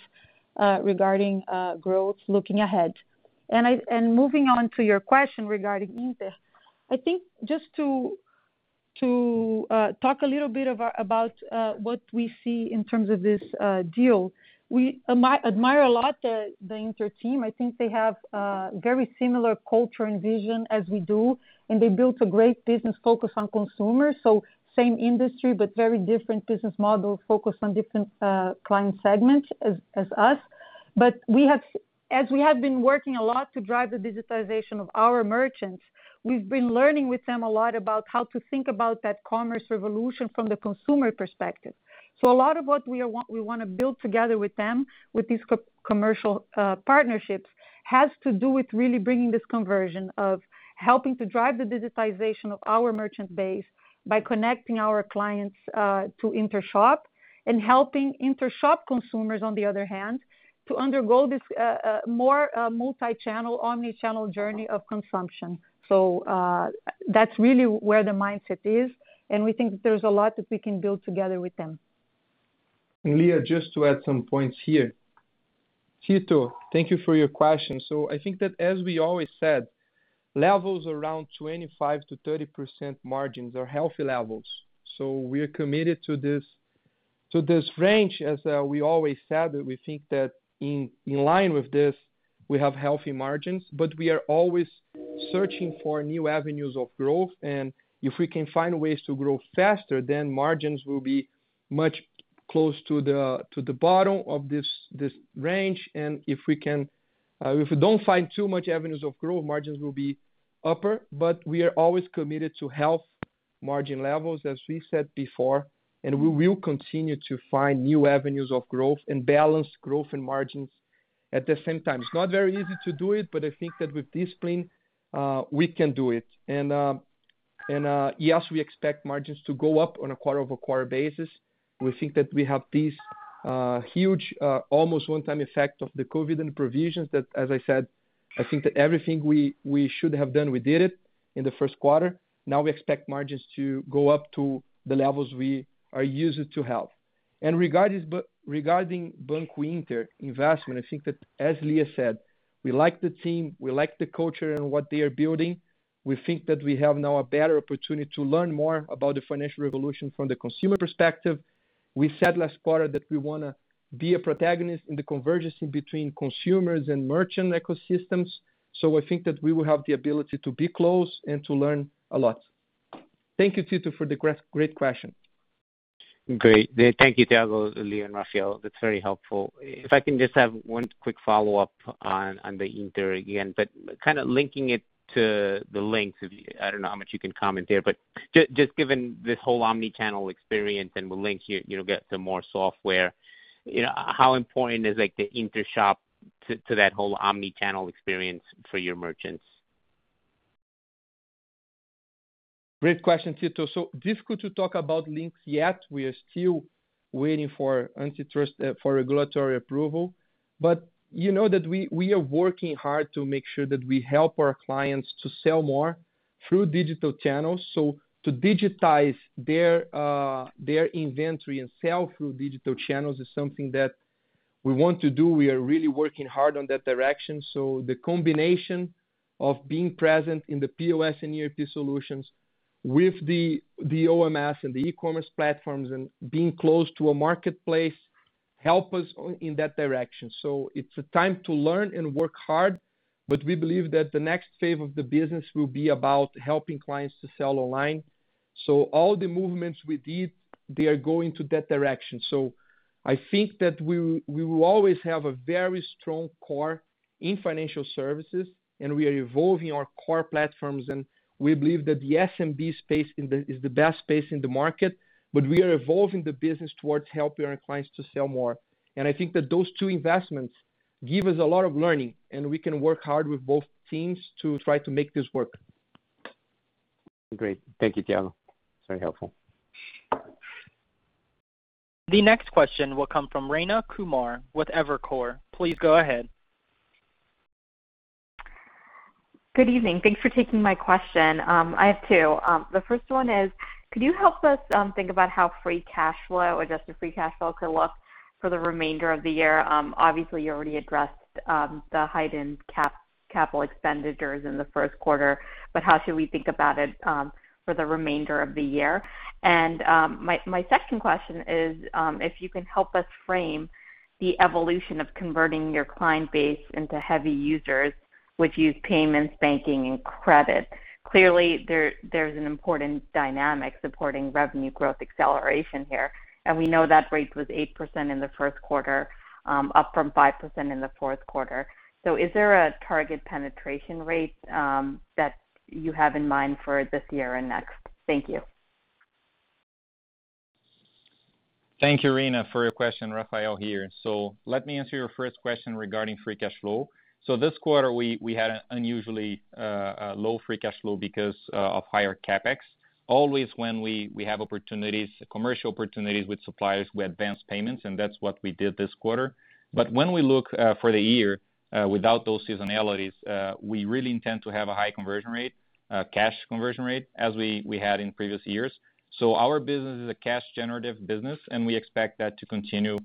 regarding growth looking ahead. Moving on to your question regarding Inter, I think just to talk a little bit about what we see in terms of this deal. We admire a lot the Inter team. I think they have a very similar culture and vision as we do, and they built a great business focused on consumers. Same industry, but very different business model focused on different client segments as us. As we have been working a lot to drive the digitization of our merchants, we've been learning with them a lot about how to think about that commerce revolution from the consumer perspective. A lot of what we want to build together with them, with these commercial partnerships, has to do with really bringing this conversion of helping to drive the digitization of our merchant base by connecting our clients to Inter Shop and helping Inter Shop consumers, on the other hand, to undergo this more multi-channel, omnichannel journey of consumption. That's really where the mindset is, and we think there's a lot that we can build together with them. Lia, just to add some points here. Tito, thank you for your question. I think that as we always said, levels around 25%-30% margins are healthy levels. We are committed to this range, as we always said, that we think that in line with this, we have healthy margins, but we are always searching for new avenues of growth. If we can find ways to grow faster, then margins will be much close to the bottom of this range. If we don't find too much avenues of growth, margins will be upper. We are always committed to healthy margin levels, as we said before, and we will continue to find new avenues of growth and balance growth and margins at the same time. It's not very easy to do it, but I think that with discipline we can do it. Yes, we expect margins to go up on a quarter-over-quarter basis. We think that we have this huge almost one-time effect of the COVID and provisions that, as I said, I think that everything we should have done, we did it in the first quarter. We expect margins to go up to the levels we are used to have. Regarding Banco Inter investment, I think that as Lia said, we like the team, we like the culture and what they are building. We think that we have now a better opportunity to learn more about the financial revolution from the consumer perspective. We said last quarter that we want to be a protagonist in the convergence between consumers and merchant ecosystems. I think that we will have the ability to be close and to learn a lot. Thank you, Tito, for the great question. Great. Thank you, Thiago, Lia, and Rafael. That's very helpful. If I can just have one quick follow-up on the Inter again, kind of linking it to the Linx. I don't know how much you can comment here, just given this whole omnichannel experience and the Linx, you get some more software. How important is like the Inter Shop to that whole omnichannel experience for your merchants? Great question, Tito. Difficult to talk about Linx yet. We are still waiting for regulatory approval. You know that we are working hard to make sure that we help our clients to sell more through digital channels. To digitize their inventory and sell through digital channels is something that we want to do. We are really working hard on that direction. The combination of being present in the POS and ERP solutions with the OMS and the e-commerce platforms and being close to a marketplace help us in that direction. It's a time to learn and work hard, but we believe that the next phase of the business will be about helping clients to sell online. All the movements we did, they are going to that direction. I think that we will always have a very strong core in financial services, and we are evolving our core platforms, and we believe that the SMB space is the best space in the market, but we are evolving the business towards helping our clients to sell more. I think that those two investments give us a lot of learning, and we can work hard with both teams to try to make this work. Great. Thank you, Thiago. Very helpful. The next question will come from Rayna Kumar with Evercore. Please go ahead. Good evening. Thanks for taking my question. I have two. The first one is, can you help us think about how free cash flow or just the free cash flow go up for the remainder of the year? Obviously, you already addressed the heightened capital expenditures in the first quarter. How should we think about it for the remainder of the year? My second question is if you can help us frame the evolution of converting your client base into heavy users with payments, banking, and credit. Clearly, there's an important dynamic supporting revenue growth acceleration here. We know that rate was 8% in the first quarter, up from 5% in the fourth quarter. Is there a target penetration rate that you have in mind for this year and next? Thank you. Thank you, Rayna, for your question. Rafael here. Let me answer your first question regarding free cash flow. This quarter, we had an unusually low free cash flow because of higher CapEx. Always when we have commercial opportunities with suppliers, we advance payments, and that's what we did this quarter. When we look for the year without those seasonalities, we really intend to have a high conversion rate, cash conversion rate as we had in previous years. Our business is a cash generative business, and we expect that to continue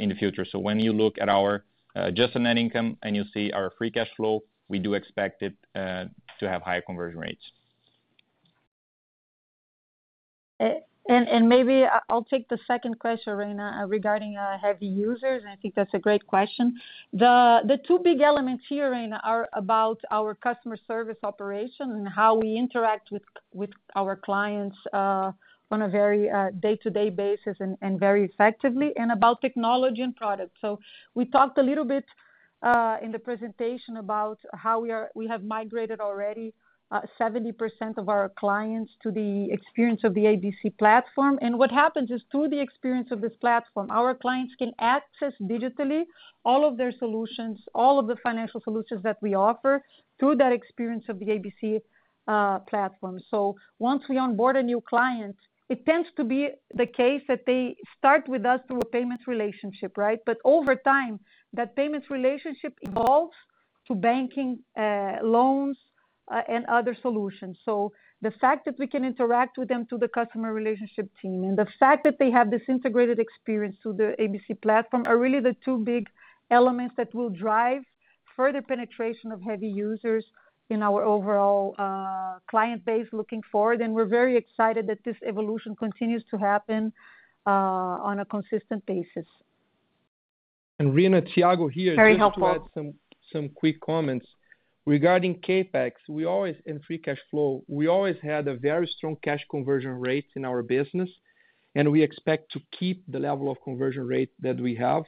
in the future. When you look at our adjusted net income and you see our free cash flow, we do expect it to have high conversion rates. Maybe I'll take the second question, Rayna, regarding heavy users. I think that's a great question. The two big elements here, Rayna, are about our customer service operation and how we interact with our clients on a very day-to-day basis and very effectively and about technology and product. We talked a little bit in the presentation about how we have migrated already 70% of our clients to the experience of the ABC platform. What happens is through the experience of this platform, our clients can access digitally all of their solutions, all of the financial solutions that we offer through that experience of the ABC platform. Once we onboard a new client, it tends to be the case that they start with us through a payments relationship. Over time, that payments relationship evolves to banking, loans, and other solutions. The fact that we can interact with them through the customer relationship team, the fact that they have this integrated experience through the ABC platform, are really the two big elements that will drive further penetration of heavy users in our overall client base looking forward. We're very excited that this evolution continues to happen on a consistent basis. Rayna, Thiago here. Very helpful. Just to add some quick comments. Regarding CapEx and free cash flow, we always had a very strong cash conversion rate in our business, and we expect to keep the level of conversion rate that we have.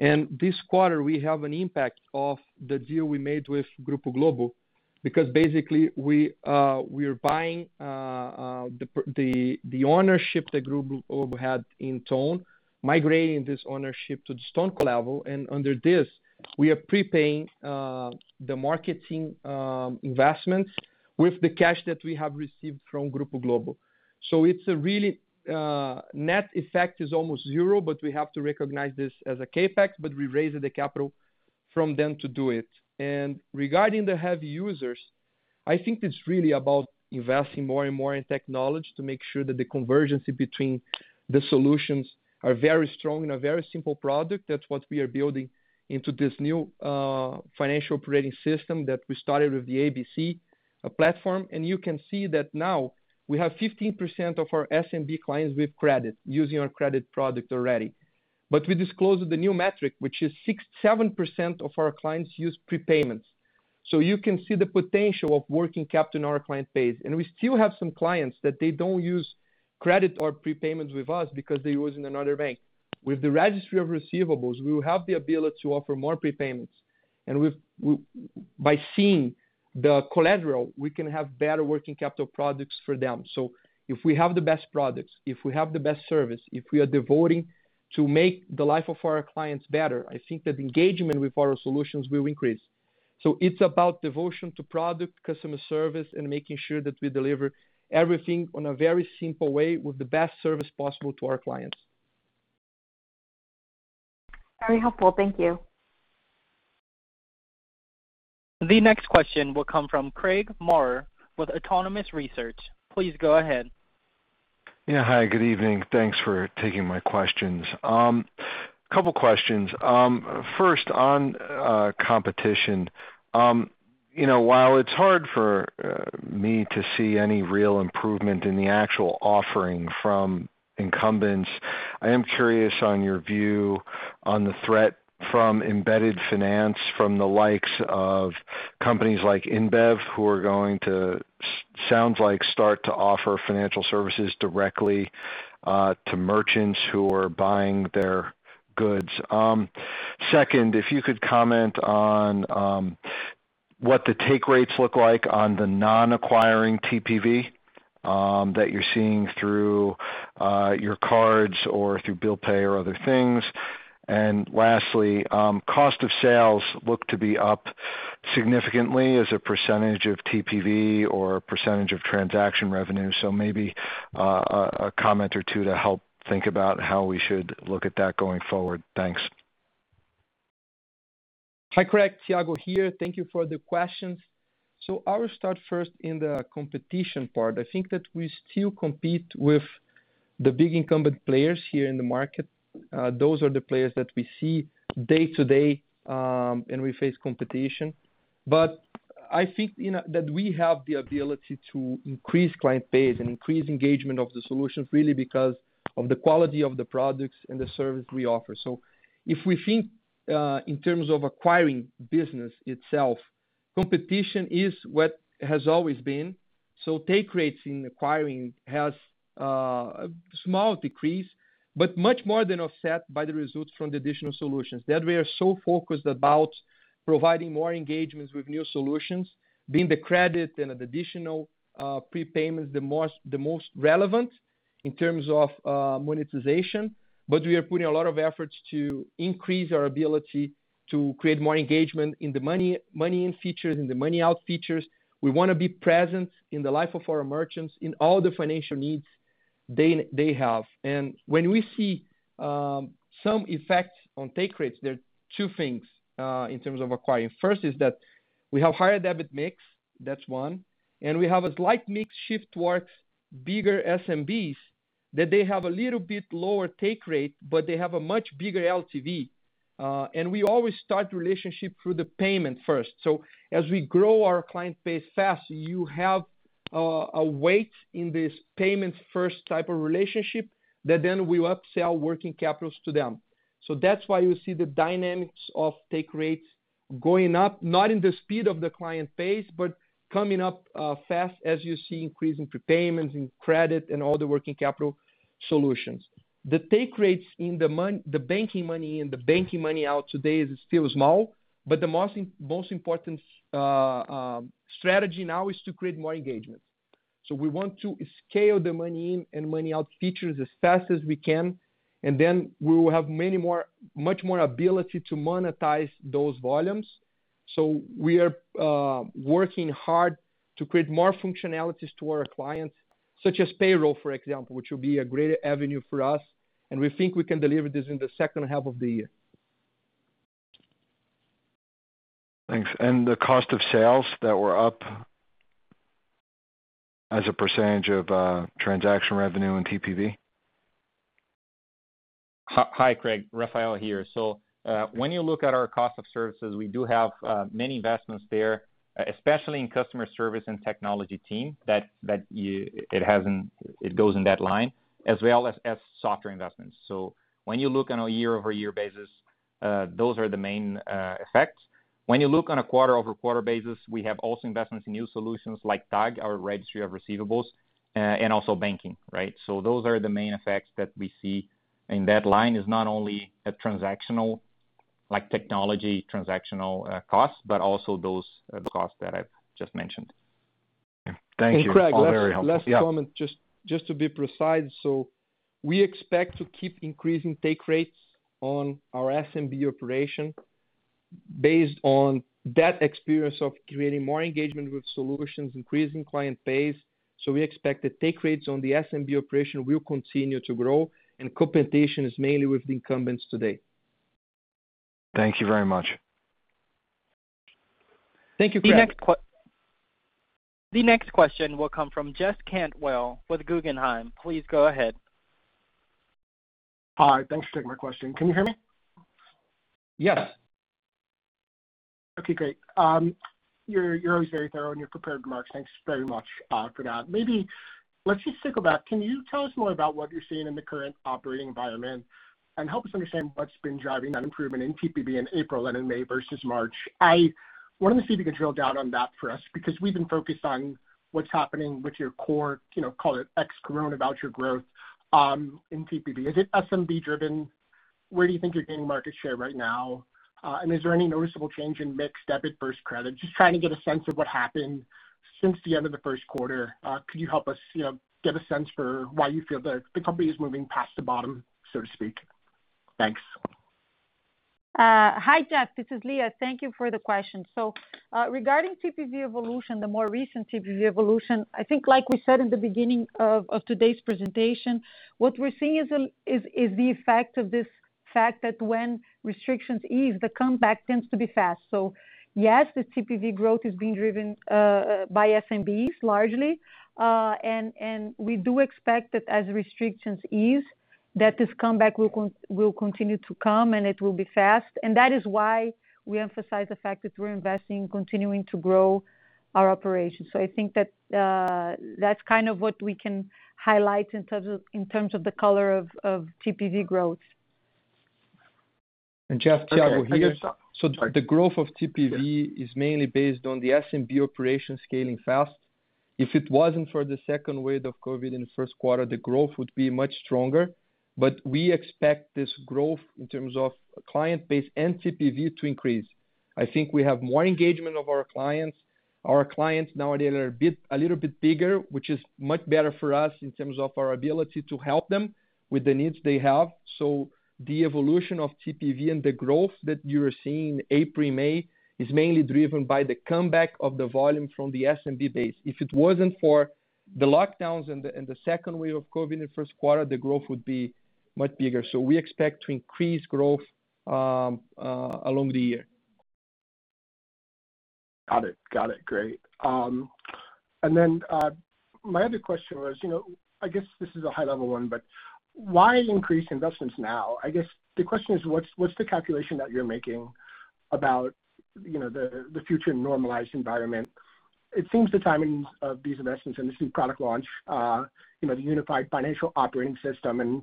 This quarter, we have an impact of the deal we made with Grupo Globo because basically we are buying the ownership that Grupo Globo had in TON, migrating this ownership to the StoneCo level. Under this, we are prepaying the marketing investments with the cash that we have received from Grupo Globo. It's a net effect is almost zero, but we have to recognize this as a CapEx, but we're raising the capital from them to do it. Regarding the heavy users, I think it's really about investing more and more in technology to make sure that the convergence between the solutions are very strong and a very simple product. That's what we are building into this new financial operating system that we started with the ABC platform. You can see that now we have 15% of our SMB clients with credit using our credit product already. We disclosed the new metric, which is 67% of our clients use prepayments. You can see the potential of working capital in our client base. We still have some clients that they don't use credit or prepayments with us because they're using another bank. With the registry of receivables, we will have the ability to offer more prepayments. By seeing the collateral, we can have better working capital products for them. If we have the best products, if we have the best service, if we are devoting to make the life of our clients better, I think that engagement with our solutions will increase. It's about devotion to product, customer service, and making sure that we deliver everything in a very simple way with the best service possible to our clients. Very helpful. Thank you. The next question will come from Craig Maurer with Autonomous Research. Please go ahead. Yeah. Hi, good evening. Thanks for taking my questions. Couple questions. First, on competition. While it's hard for me to see any real improvement in the actual offering from incumbents, I am curious on your view on the threat from embedded finance from the likes of companies like InBev, who are going to, sounds like start to offer financial services directly to merchants who are buying their goods. Second, if you could comment on what the take rates look like on the non-acquiring TPV that you're seeing through your cards or through bill pay or other things. Lastly, cost of sales look to be up significantly as a % of TPV or a % of transaction revenue. Maybe a comment or two to help think about how we should look at that going forward. Thanks. Hi, Craig. Thiago here. Thank you for the questions. I'll start first in the competition part. I think that we still compete with the big incumbent players here in the market. Those are the players that we see day-to-day, and we face competition. I think that we have the ability to increase client base and increase engagement of the solutions really because of the quality of the products and the service we offer. If we think in terms of acquiring business itself, competition is what has always been. Take rates in acquiring has a small decrease, but much more than offset by the results from the additional solutions. We are so focused about providing more engagements with new solutions, being the credit and additional prepayments the most relevant in terms of monetization. We are putting a lot of efforts to increase our ability to create more engagement in the money in features, in the money out features. We want to be present in the life of our merchants in all the financial needs they have. When we see some effects on take rates, there are two things in terms of acquiring. First is that we have higher debit mix, that's one, and we have a slight mix shift towards bigger SMBs, that they have a little bit lower take rate, but they have a much bigger LTV. We always start the relationship through the payment first. As we grow our client base fast, you have a weight in this payment first type of relationship that then we upsell working capitals to them. That's why you see the dynamics of take rates going up, not in the speed of the client base, but coming up fast as you see increase in prepayments and credit and all the working capital solutions. The take rates in the banking money in, the banking money out today is still small, but the most important strategy now is to create more engagement. We want to scale the money in and money out features as fast as we can, and then we will have much more ability to monetize those volumes. We are working hard to create more functionalities to our clients, such as payroll, for example, which will be a great avenue for us, and we think we can deliver this in the second half of the year. Thanks. The cost of sales that were up as a % of transaction revenue and TPV? Hi, Craig. Rafael here. When you look at our cost of services, we do have many investments there, especially in customer service and technology team, it goes in that line, as well as software investments. When you look on a year-over-year basis, those are the main effects. When you look on a quarter-over-quarter basis, we have also investments in new solutions like TAG, our registry of receivables, and also banking, right? Those are the main effects that we see, and that line is not only a transactional, like technology transactional cost, but also those costs that I've just mentioned. Thank you. Very helpful. Yeah. Craig, last comment, just to be precise. We expect to keep increasing take rates on our SMB operation based on that experience of creating more engagement with solutions, increasing client base. We expect the take rates on the SMB operation will continue to grow, and competition is mainly with incumbents today. Thank you very much. Thank you, Craig. The next question will come from Jeff Cantwell with Guggenheim. Please go ahead. Hi. Thanks for taking my question. Can you hear me? Yes. Okay, great. Yours is very thorough in your prepared remarks. Thanks very much for that. Maybe let's just think about, can you tell us more about what you're seeing in the current operating environment and help us understand what's been driving that improvement in TPV in April and in May versus March? I wanted to see if you could drill down on that for us, because we've been focused on what's happening with your core, call it ex-Corona Voucher growth in TPV. Is it SMB driven? Where do you think you're gaining market share right now? Is there any noticeable change in mix, debit versus credit? Just trying to get a sense of what happened since the end of the first quarter. Could you help us get a sense for why you feel that the company is moving past the bottom, so to speak? Thanks. Hi, Jeff. This is Lia. Thank you for the question. Regarding TPV evolution, the more recent TPV evolution, I think like we said in the beginning of today's presentation, what we're seeing is the effect of this fact that when restrictions ease, the comeback tends to be fast. Yes, the TPV growth is being driven by SMBs largely. We do expect that as restrictions ease, that this comeback will continue to come and it will be fast. That is why we emphasize the fact that we're investing in continuing to grow our operations. I think that's what we can highlight in terms of the color of TPV growth. Jeff, Thiago here. The growth of TPV is mainly based on the SMB operations scaling fast. If it wasn't for the second wave of COVID in the first quarter, the growth would be much stronger. We expect this growth in terms of client base and TPV to increase. I think we have more engagement of our clients. Our clients nowadays are a little bit bigger, which is much better for us in terms of our ability to help them with the needs they have. The evolution of TPV and the growth that you're seeing in April, May, is mainly driven by the comeback of the volume from the SMB base. If it wasn't for the lockdowns and the second wave of COVID in the first quarter, the growth would be much bigger. We expect to increase growth along the year. Got it. Great. My other question was, I guess this is a high-level one, but why increase investments now? I guess the question is what's the calculation that you're making about the future normalized environment? It seems the timing of these investments and this new product launch, the Unified Financial Operating System, and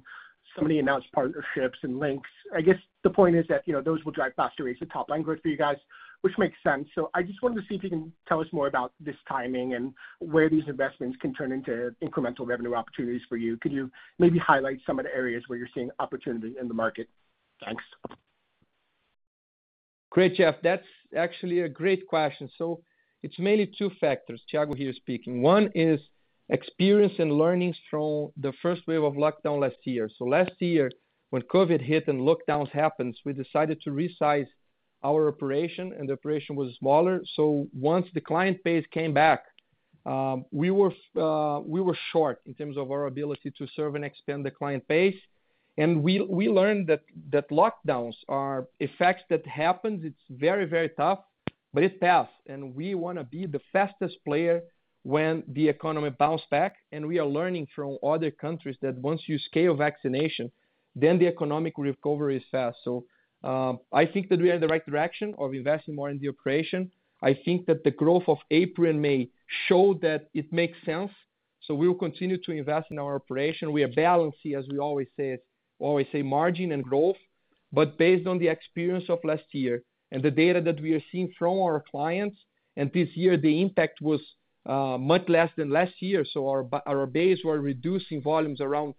so many announced partnerships and Linx. I guess the point is that those will drive faster rates of top-line growth for you guys, which makes sense. I just wanted to see if you can tell us more about this timing and where these investments can turn into incremental revenue opportunities for you. Can you maybe highlight some of the areas where you're seeing opportunities in the market? Thanks. Great, Jeff. That's actually a great question. It's mainly two factors. Thiago here speaking. One is experience and learnings from the first wave of lockdown last year. Last year, when COVID hit and lockdowns happened, we decided to resize our operation, and the operation was smaller. Once the client base came back, we were short in terms of our ability to serve and extend the client base. We learned that lockdowns are effects that happens. It's very tough, but it's fast, and we want to be the fastest player when the economy bounce back. We are learning from other countries that once you scale vaccination, then the economic recovery is fast. I think that we are in the right direction of investing more in the operation. I think that the growth of April and May show that it makes sense. We'll continue to invest in our operation. We are balancing, as we always say, margin and growth. Based on the experience of last year and the data that we are seeing from our clients, and this year, the impact was much less than last year. Our base were reducing volumes around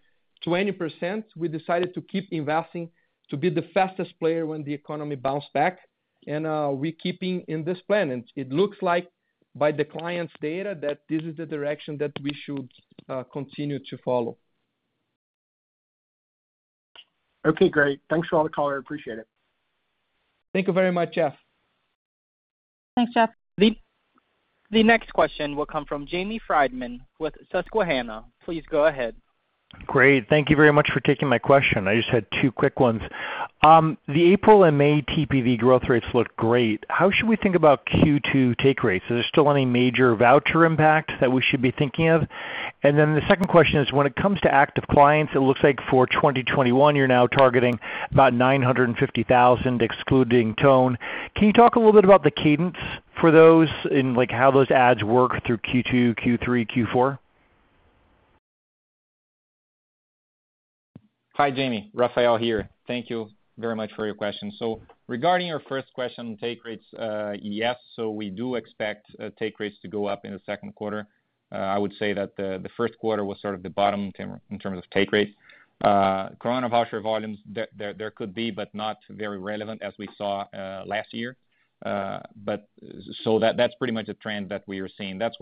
20%. We decided to keep investing to be the fastest player when the economy bounce back, and we're keeping in this plan. It looks like by the clients' data that this is the direction that we should continue to follow. Okay, great. Thanks for all the color. Appreciate it. Thank you very much, Jeff. Thanks, Jeff. The next question will come from Jamie Friedman with Susquehanna. Please go ahead. Great. Thank you very much for taking my question. I just had two quick ones. The April and May TPV growth rates look great. How should we think about Q2 take rates? Are there still any major voucher impact that we should be thinking of? The second question is, when it comes to active clients, it looks like for 2021, you're now targeting about 950,000 excluding TON. Can you talk a little bit about the cadence for those and how those ads work through Q2, Q3, Q4? Hi, Jamie. Rafael here. Thank you very much for your question. Regarding your first question on take rates, yes, we do expect take rates to go up in the second quarter. I would say that the first quarter was sort of the bottom in terms of take rate. Corona Voucher volumes there could be, but not very relevant as we saw last year. That's pretty much the trend that we are seeing. That's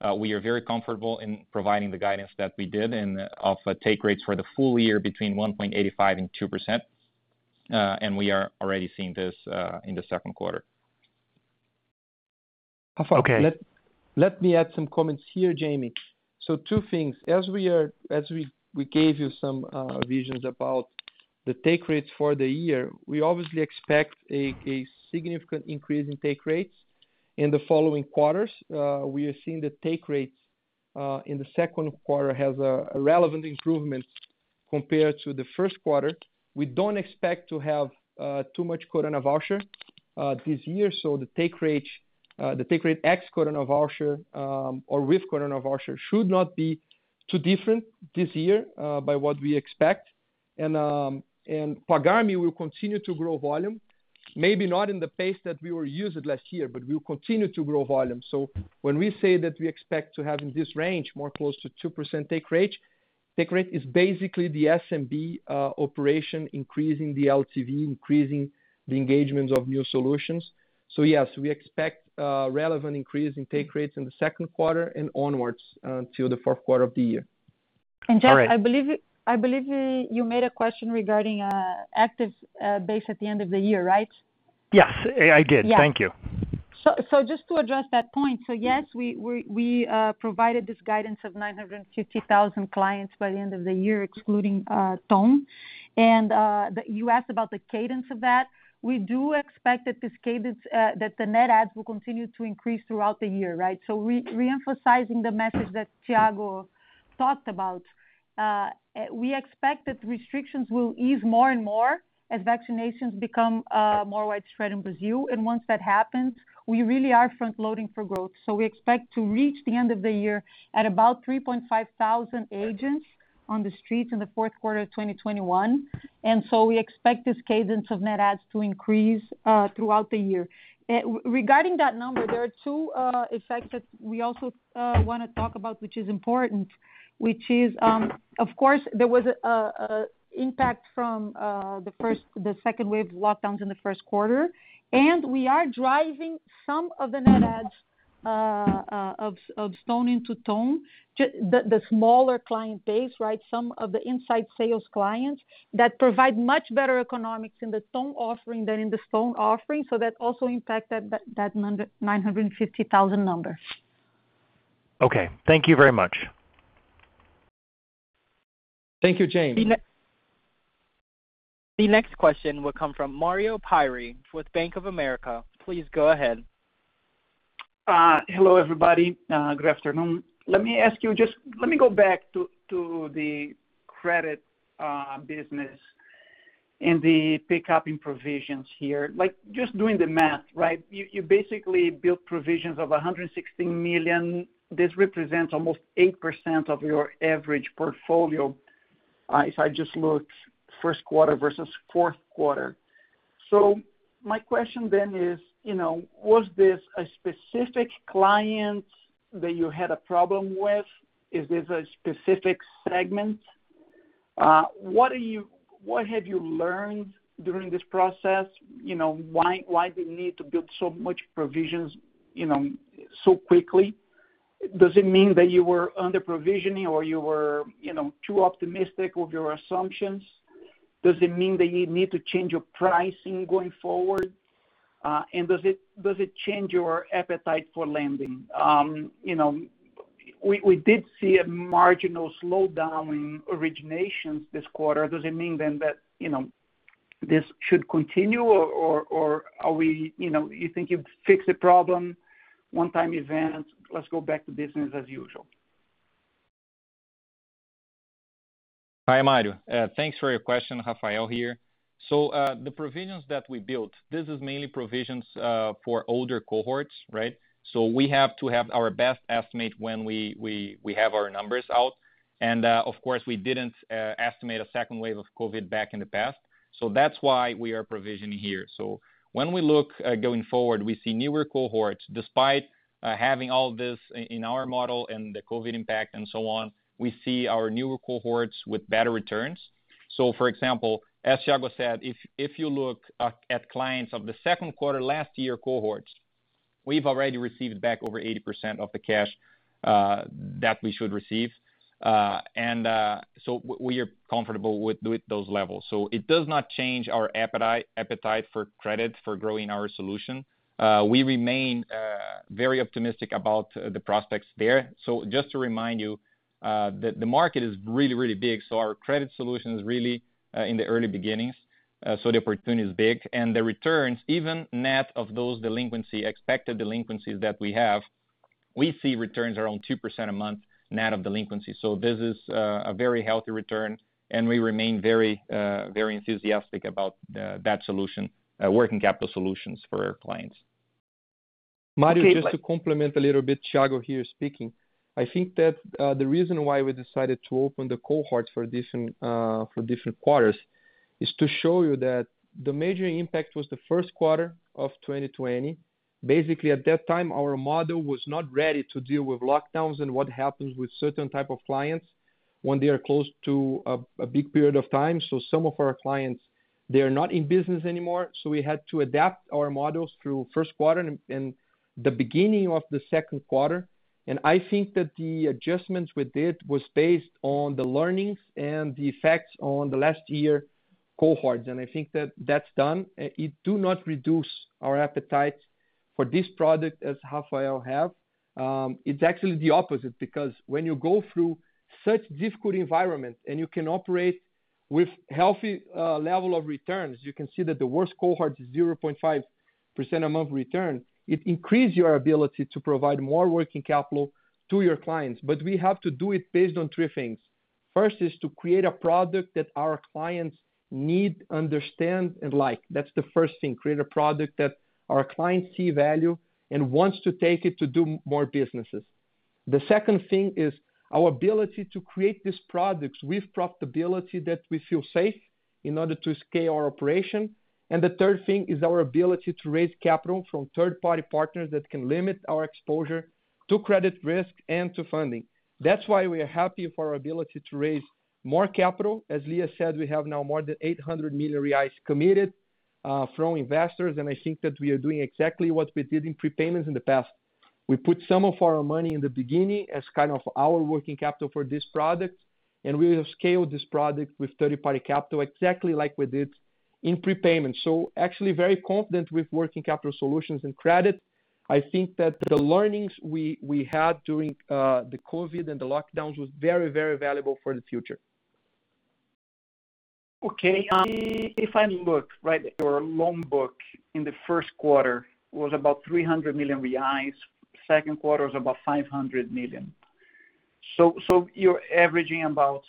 why we are very comfortable in providing the guidance that we did and of take rates for the full-year between 1.85% and 2%. We are already seeing this in the second quarter. Okay. Let me add some comments here, Jamie. Two things. As we gave you some visions about the take rates for the year, we obviously expect a significant increase in take rates in the following quarters. We are seeing the take rates in the second quarter has a relevant improvement compared to the first quarter. We don't expect to have too much Corona Voucher this year. The take rate ex Corona Voucher or with Corona Voucher should not be too different this year by what we expect. And Pagar.me will continue to grow volume, maybe not in the pace that we were used last year, but we'll continue to grow volume. When we say that we expect to have in this range more close to 2% take rate. Take rate is basically the SMB operation increasing the LTV, increasing the engagement of new solutions. Yes, we expect relevant increase in take rates in the second quarter and onwards till the fourth quarter of the year. All right. Jeff, I believe you made a question regarding active base at the end of the year, right? Yes, I did. Thank you. Just to address that point. Yes, we provided this guidance of 950,000 clients by the end of the year, excluding TON, and that you asked about the cadence of that. We do expect that the net adds will continue to increase throughout the year, right? Re-emphasizing the message that Thiago talked about. We expect that restrictions will ease more and more as vaccinations become more widespread in Brazil. Once that happens, we really are front-loading for growth. We expect to reach the end of the year at about 3,500 agents on the streets in the fourth quarter of 2021. We expect this cadence of net adds to increase throughout the year. Regarding that number, there are two effects that we also want to talk about, which is important, which is of course there was impact from the second wave lockdowns in the first quarter, and we are driving some of the net adds of Stone into TON, the smaller client base. Some of the inside sales clients that provide much better economics in the TON offering than in the Stone offering. That also impacted that 950,000 number. Okay. Thank you very much. Thank you, Jamie. The next question will come from Mario Pierry with Bank of America. Please go ahead. Hello, everybody. Good afternoon. Let me go back to the credit business and the pick-up in provisions here. Just doing the math, right? You basically built provisions of 116 million. This represents almost 8% of your average portfolio. If I just looked first quarter versus fourth quarter. My question then is, was this a specific client that you had a problem with? Is this a specific segment? What have you learned during this process? Why the need to build so much provisions so quickly? Does it mean that you were underprovisioning or you were too optimistic with your assumptions? Does it mean that you need to change your pricing going forward? Does it change your appetite for lending? We did see a marginal slowdown in originations this quarter. Does it mean then that this should continue, or you think you've fixed the problem, one time event, let's go back to business as usual? Hi, Mario Pierry. Thanks for your question. Rafael here. The provisions that we built, this is mainly provisions for older cohorts, right? Of course, we didn't estimate a second wave of COVID back in the past. That's why we are provisioning here. When we look at going forward, we see newer cohorts, despite having all this in our model and the COVID impact and so on, we see our newer cohorts with better returns. For example, as Thiago Piau said, if you look at clients of the second quarter last year cohorts, we've already received back over 80% of the cash that we should receive. We are comfortable with those levels. It does not change our appetite for credit for growing our solution. We remain very optimistic about the prospects there. Just to remind you, that the market is really, really big. Our credit solution is really in the early beginnings. The opportunity is big. The returns, even net of those expected delinquencies that we have, we see returns around 2% a month net of delinquency. This is a very healthy return, and we remain very enthusiastic about that solution, working capital solutions for our clients. Mario, just to complement a little bit, Thiago here speaking. I think that the reason why we decided to open the cohorts for different quarters is to show you that the major impact was the first quarter of 2020. At that time, our model was not ready to deal with lockdowns and what happens with certain type of clients when they are closed to a big period of time. Some of our clients, they are not in business anymore. We had to adapt our models through first quarter and the beginning of the second quarter. I think that the adjustments we did was based on the learnings and the effects on the last year cohorts. I think that that's done. It do not reduce our appetite for this product as Rafael have. It's actually the opposite because when you go through such difficult environment and you can operate with healthy level of returns, you can see that the worst cohort is 0.5% a month return. It increase your ability to provide more working capital to your clients. We have to do it based on three things. First is to create a product that our clients need, understand, and like. That's the first thing, create a product that our clients see value and wants to take it to do more businesses. The second thing is our ability to create these products with profitability that we feel safe in order to scale our operation. The third thing is our ability to raise capital from third party partners that can limit our exposure to credit risk and to funding. That's why we are happy for our ability to raise more capital. As Lia said, we have now more than 800 million reais committed from investors. I think that we are doing exactly what we did in prepayments in the past. We put some of our money in the beginning as kind of our working capital for this product, and we will scale this product with third-party capital, exactly like we did in prepayment. Actually very confident with working capital solutions and credit. I think that the learnings we had during the COVID and the lockdowns was very valuable for the future. Okay. If I look right at your loan book in the first quarter was about 300 million reais. Second quarter was about 500 million. So you're averaging about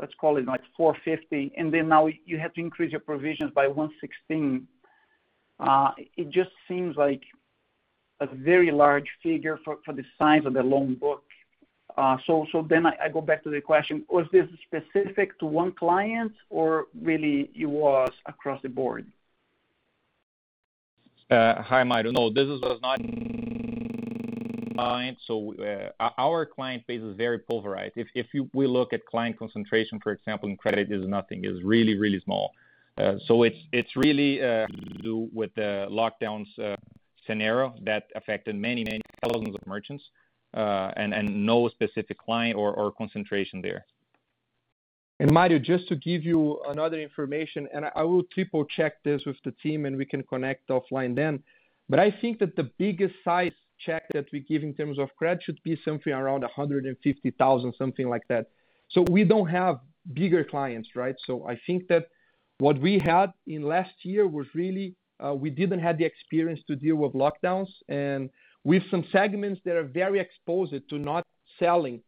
let's call it, like 450 million. Now you have to increase your provisions by 116. It just seems like a very large figure for the size of the loan book. I go back to the question, was this specific to one client or really it was across the board? Hi, Mario Pierry. No, this is not one client. Our client base is very pulverized. If we look at client concentration, for example, in credit, is nothing, is really small. It's really to do with the lockdowns scenario that affected many thousands of merchants, and no specific client or concentration there. Mario, just to give you another information, and I will triple-check this with the team and we can connect offline then, but I think that the biggest size check that we give in terms of credit should be something around 150,000, something like that. We don't have bigger clients. I think that what we had in last year was really, we didn't have the experience to deal with lockdowns and with some segments that are very exposed to not selling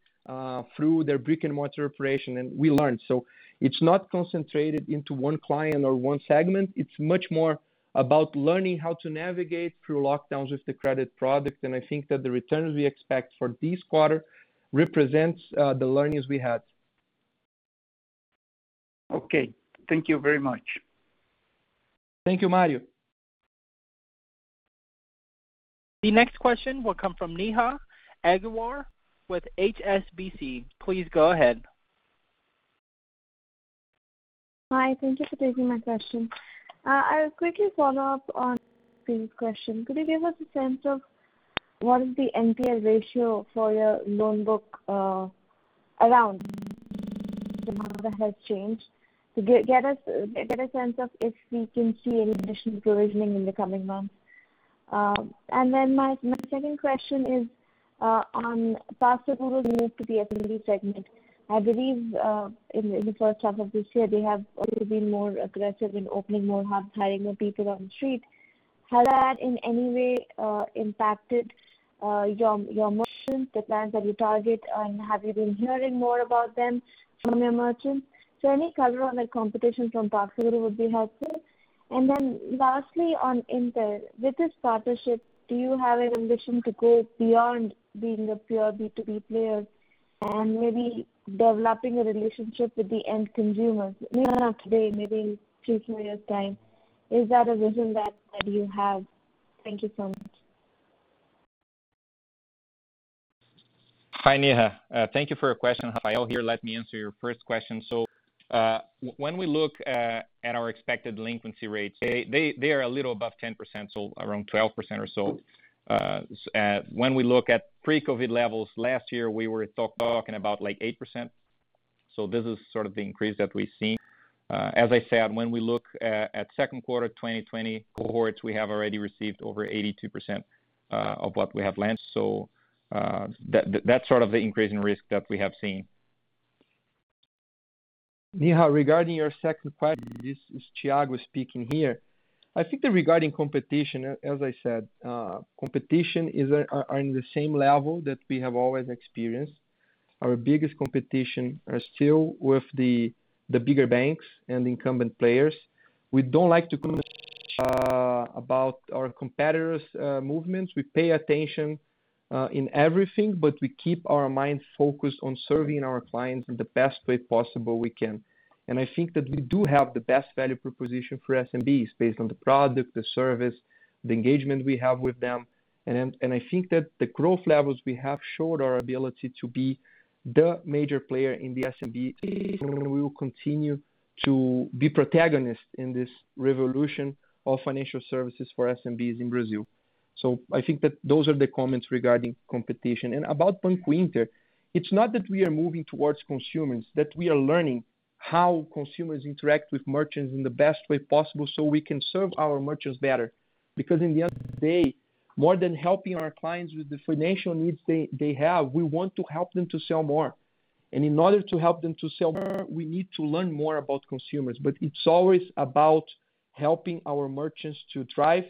through their brick-and-mortar operation, and we learned. It's not concentrated into one client or one segment. It's much more about learning how to navigate through lockdowns with the credit product. I think that the returns we expect for this quarter represents the learnings we had. Okay. Thank you very much. Thank you, Mario. The next question will come from Neha Agarwala with HSBC. Please go ahead. Hi, thank you for taking my question. I'll quickly follow up on the same question. Could you give us a sense of what is the NPL ratio for your loan book around? To the number has changed. To get a sense of if we can see any NPL improvement in the coming months. My second question is on PagSeguro B2B segment. I believe in the first half of this year, they have been more aggressive in opening more hubs, hiring more people on the street. Has that in any way impacted your merchants, the plans that you target, and have you been hearing more about them from your merchants? Any color on the competition from PagSeguro would be helpful. Lastly on Inter, with this partnership, do you have an ambition to go beyond being a pure B2B player and maybe developing a relationship with the end consumers even after a maybe two, three years' time? Is that a vision that you have? Thank you so much. Hi, Neha. Thank you for your question. Rafael here, let me answer your first question. When we look at our expected delinquency rates, they are a little above 10%, around 12% or so. When we look at pre-COVID levels last year, we were talking about like 8%. This is sort of the increase that we've seen. As I said, when we look at second quarter 2020 cohorts, we have already received over 82% of what we have lent. That's sort of the increase in risk that we have seen. Neha, regarding your second question, this is Thiago speaking here. I think that regarding competition, as I said, competition is on the same level that we have always experienced. Our biggest competition are still with the bigger banks and incumbent players. We don't like to comment about our competitors' movements. We pay attention in everything, but we keep our minds focused on serving our clients in the best way possible we can. I think that we do have the best value proposition for SMBs based on the product, the service, the engagement we have with them. I think that the growth levels we have showed our ability to be the major player in the SMB space, and we will continue to be protagonists in this revolution of financial services for SMBs in Brazil. I think that those are the comments regarding competition. About Banco Inter, it's not that we are moving towards consumers, that we are learning how consumers interact with merchants in the best way possible so we can serve our merchants better. In the end of the day, more than helping our clients with the financial needs they have, we want to help them to sell more. In order to help them to sell more, we need to learn more about consumers. It's always about helping our merchants to thrive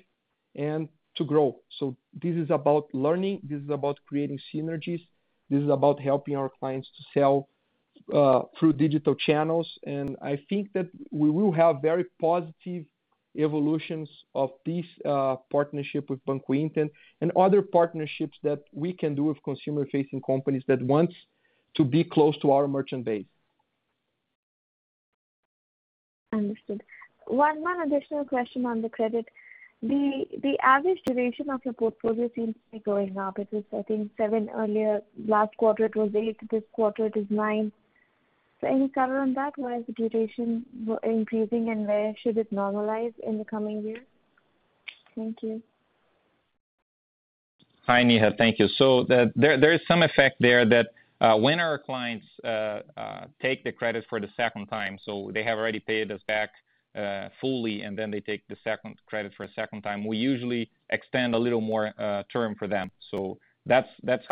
and to grow. This is about learning, this is about creating synergies, this is about helping our clients to sell through digital channels. I think that we will have very positive evolutions of this partnership with Banco Inter and other partnerships that we can do with consumer-facing companies that want to be close to our merchant base. Understood. One additional question on the credit. The average duration of the portfolio seems to be going up. It is I think seven earlier, last quarter it was eight, this quarter it is nine. Any color on that, why is the duration increasing and where should it normalize in the coming years? Thank you. Hi, Neha. Thank you. There is some effect there that when our clients take the credit for the second time, they have already paid us back fully and then they take the second credit for a second time, we usually extend a little more term for them. That's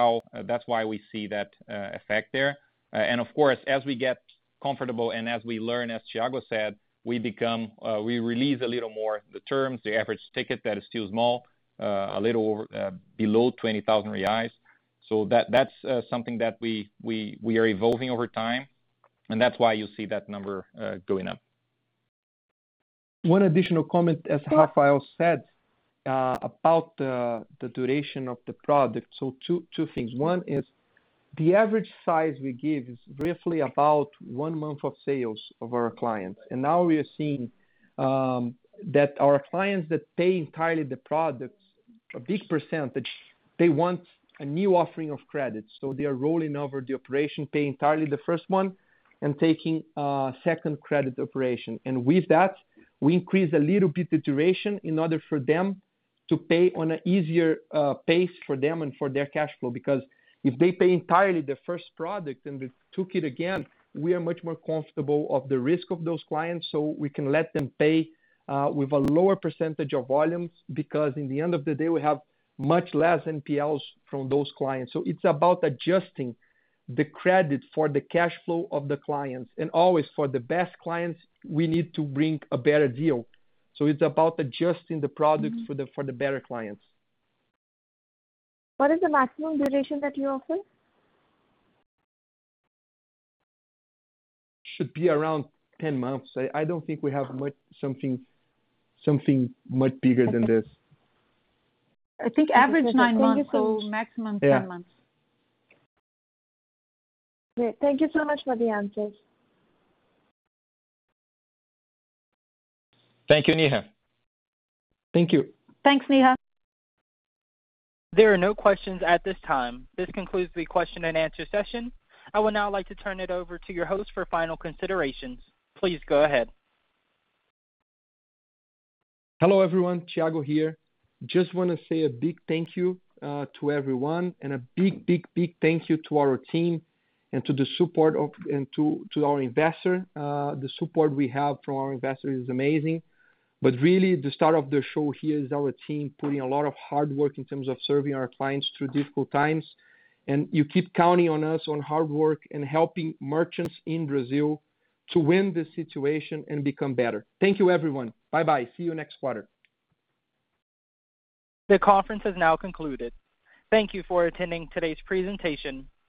why we see that effect there. Of course, as we get comfortable and as we learn, as Thiago said, we release a little more the terms, the average ticket that is still small, a little below 20,000 reais. That's something that we are evolving over time, and that's why you see that number going up. One additional comment, as Rafael said, about the duration of the product. Two things. One is the average size we give is roughly about one month of sales of our clients. Now we are seeing that our clients that pay entirely the products, a big percentage, they want a new offering of credit. They are rolling over the operation, paying entirely the first one and taking a second credit operation. With that, we increase a little bit the duration in order for them to pay on a easier pace for them and for their cash flow. If they pay entirely the first product and they took it again, we are much more comfortable of the risk of those clients, so we can let them pay with a lower percentage of volumes, because in the end of the day, we have much less NPLs from those clients. It's about adjusting the credit for the cash flow of the clients. Always for the best clients, we need to bring a better deal. It's about adjusting the products for the better clients. What is the maximum duration that you offer? Should be around 10 months. I don't think we have something much bigger than this. I think average nine months, so maximum 10 months. Yeah. Great. Thank you so much for the answers. Thank you, Neha. Thank you. Thanks, Neha. There are no questions at this time. This concludes the question-and-answer session. I would now like to turn it over to your host for final considerations. Please go ahead. Hello, everyone. Thiago here. Just want to say a big thank you to everyone and a big thank you to our team and to our investor. The support we have from our investor is amazing. Really the star of the show here is our team putting a lot of hard work in terms of serving our clients through difficult times. You keep counting on us on hard work and helping merchants in Brazil to win this situation and become better. Thank you, everyone. Bye-bye. See you next quarter. The conference has now concluded. Thank you for attending today's presentation.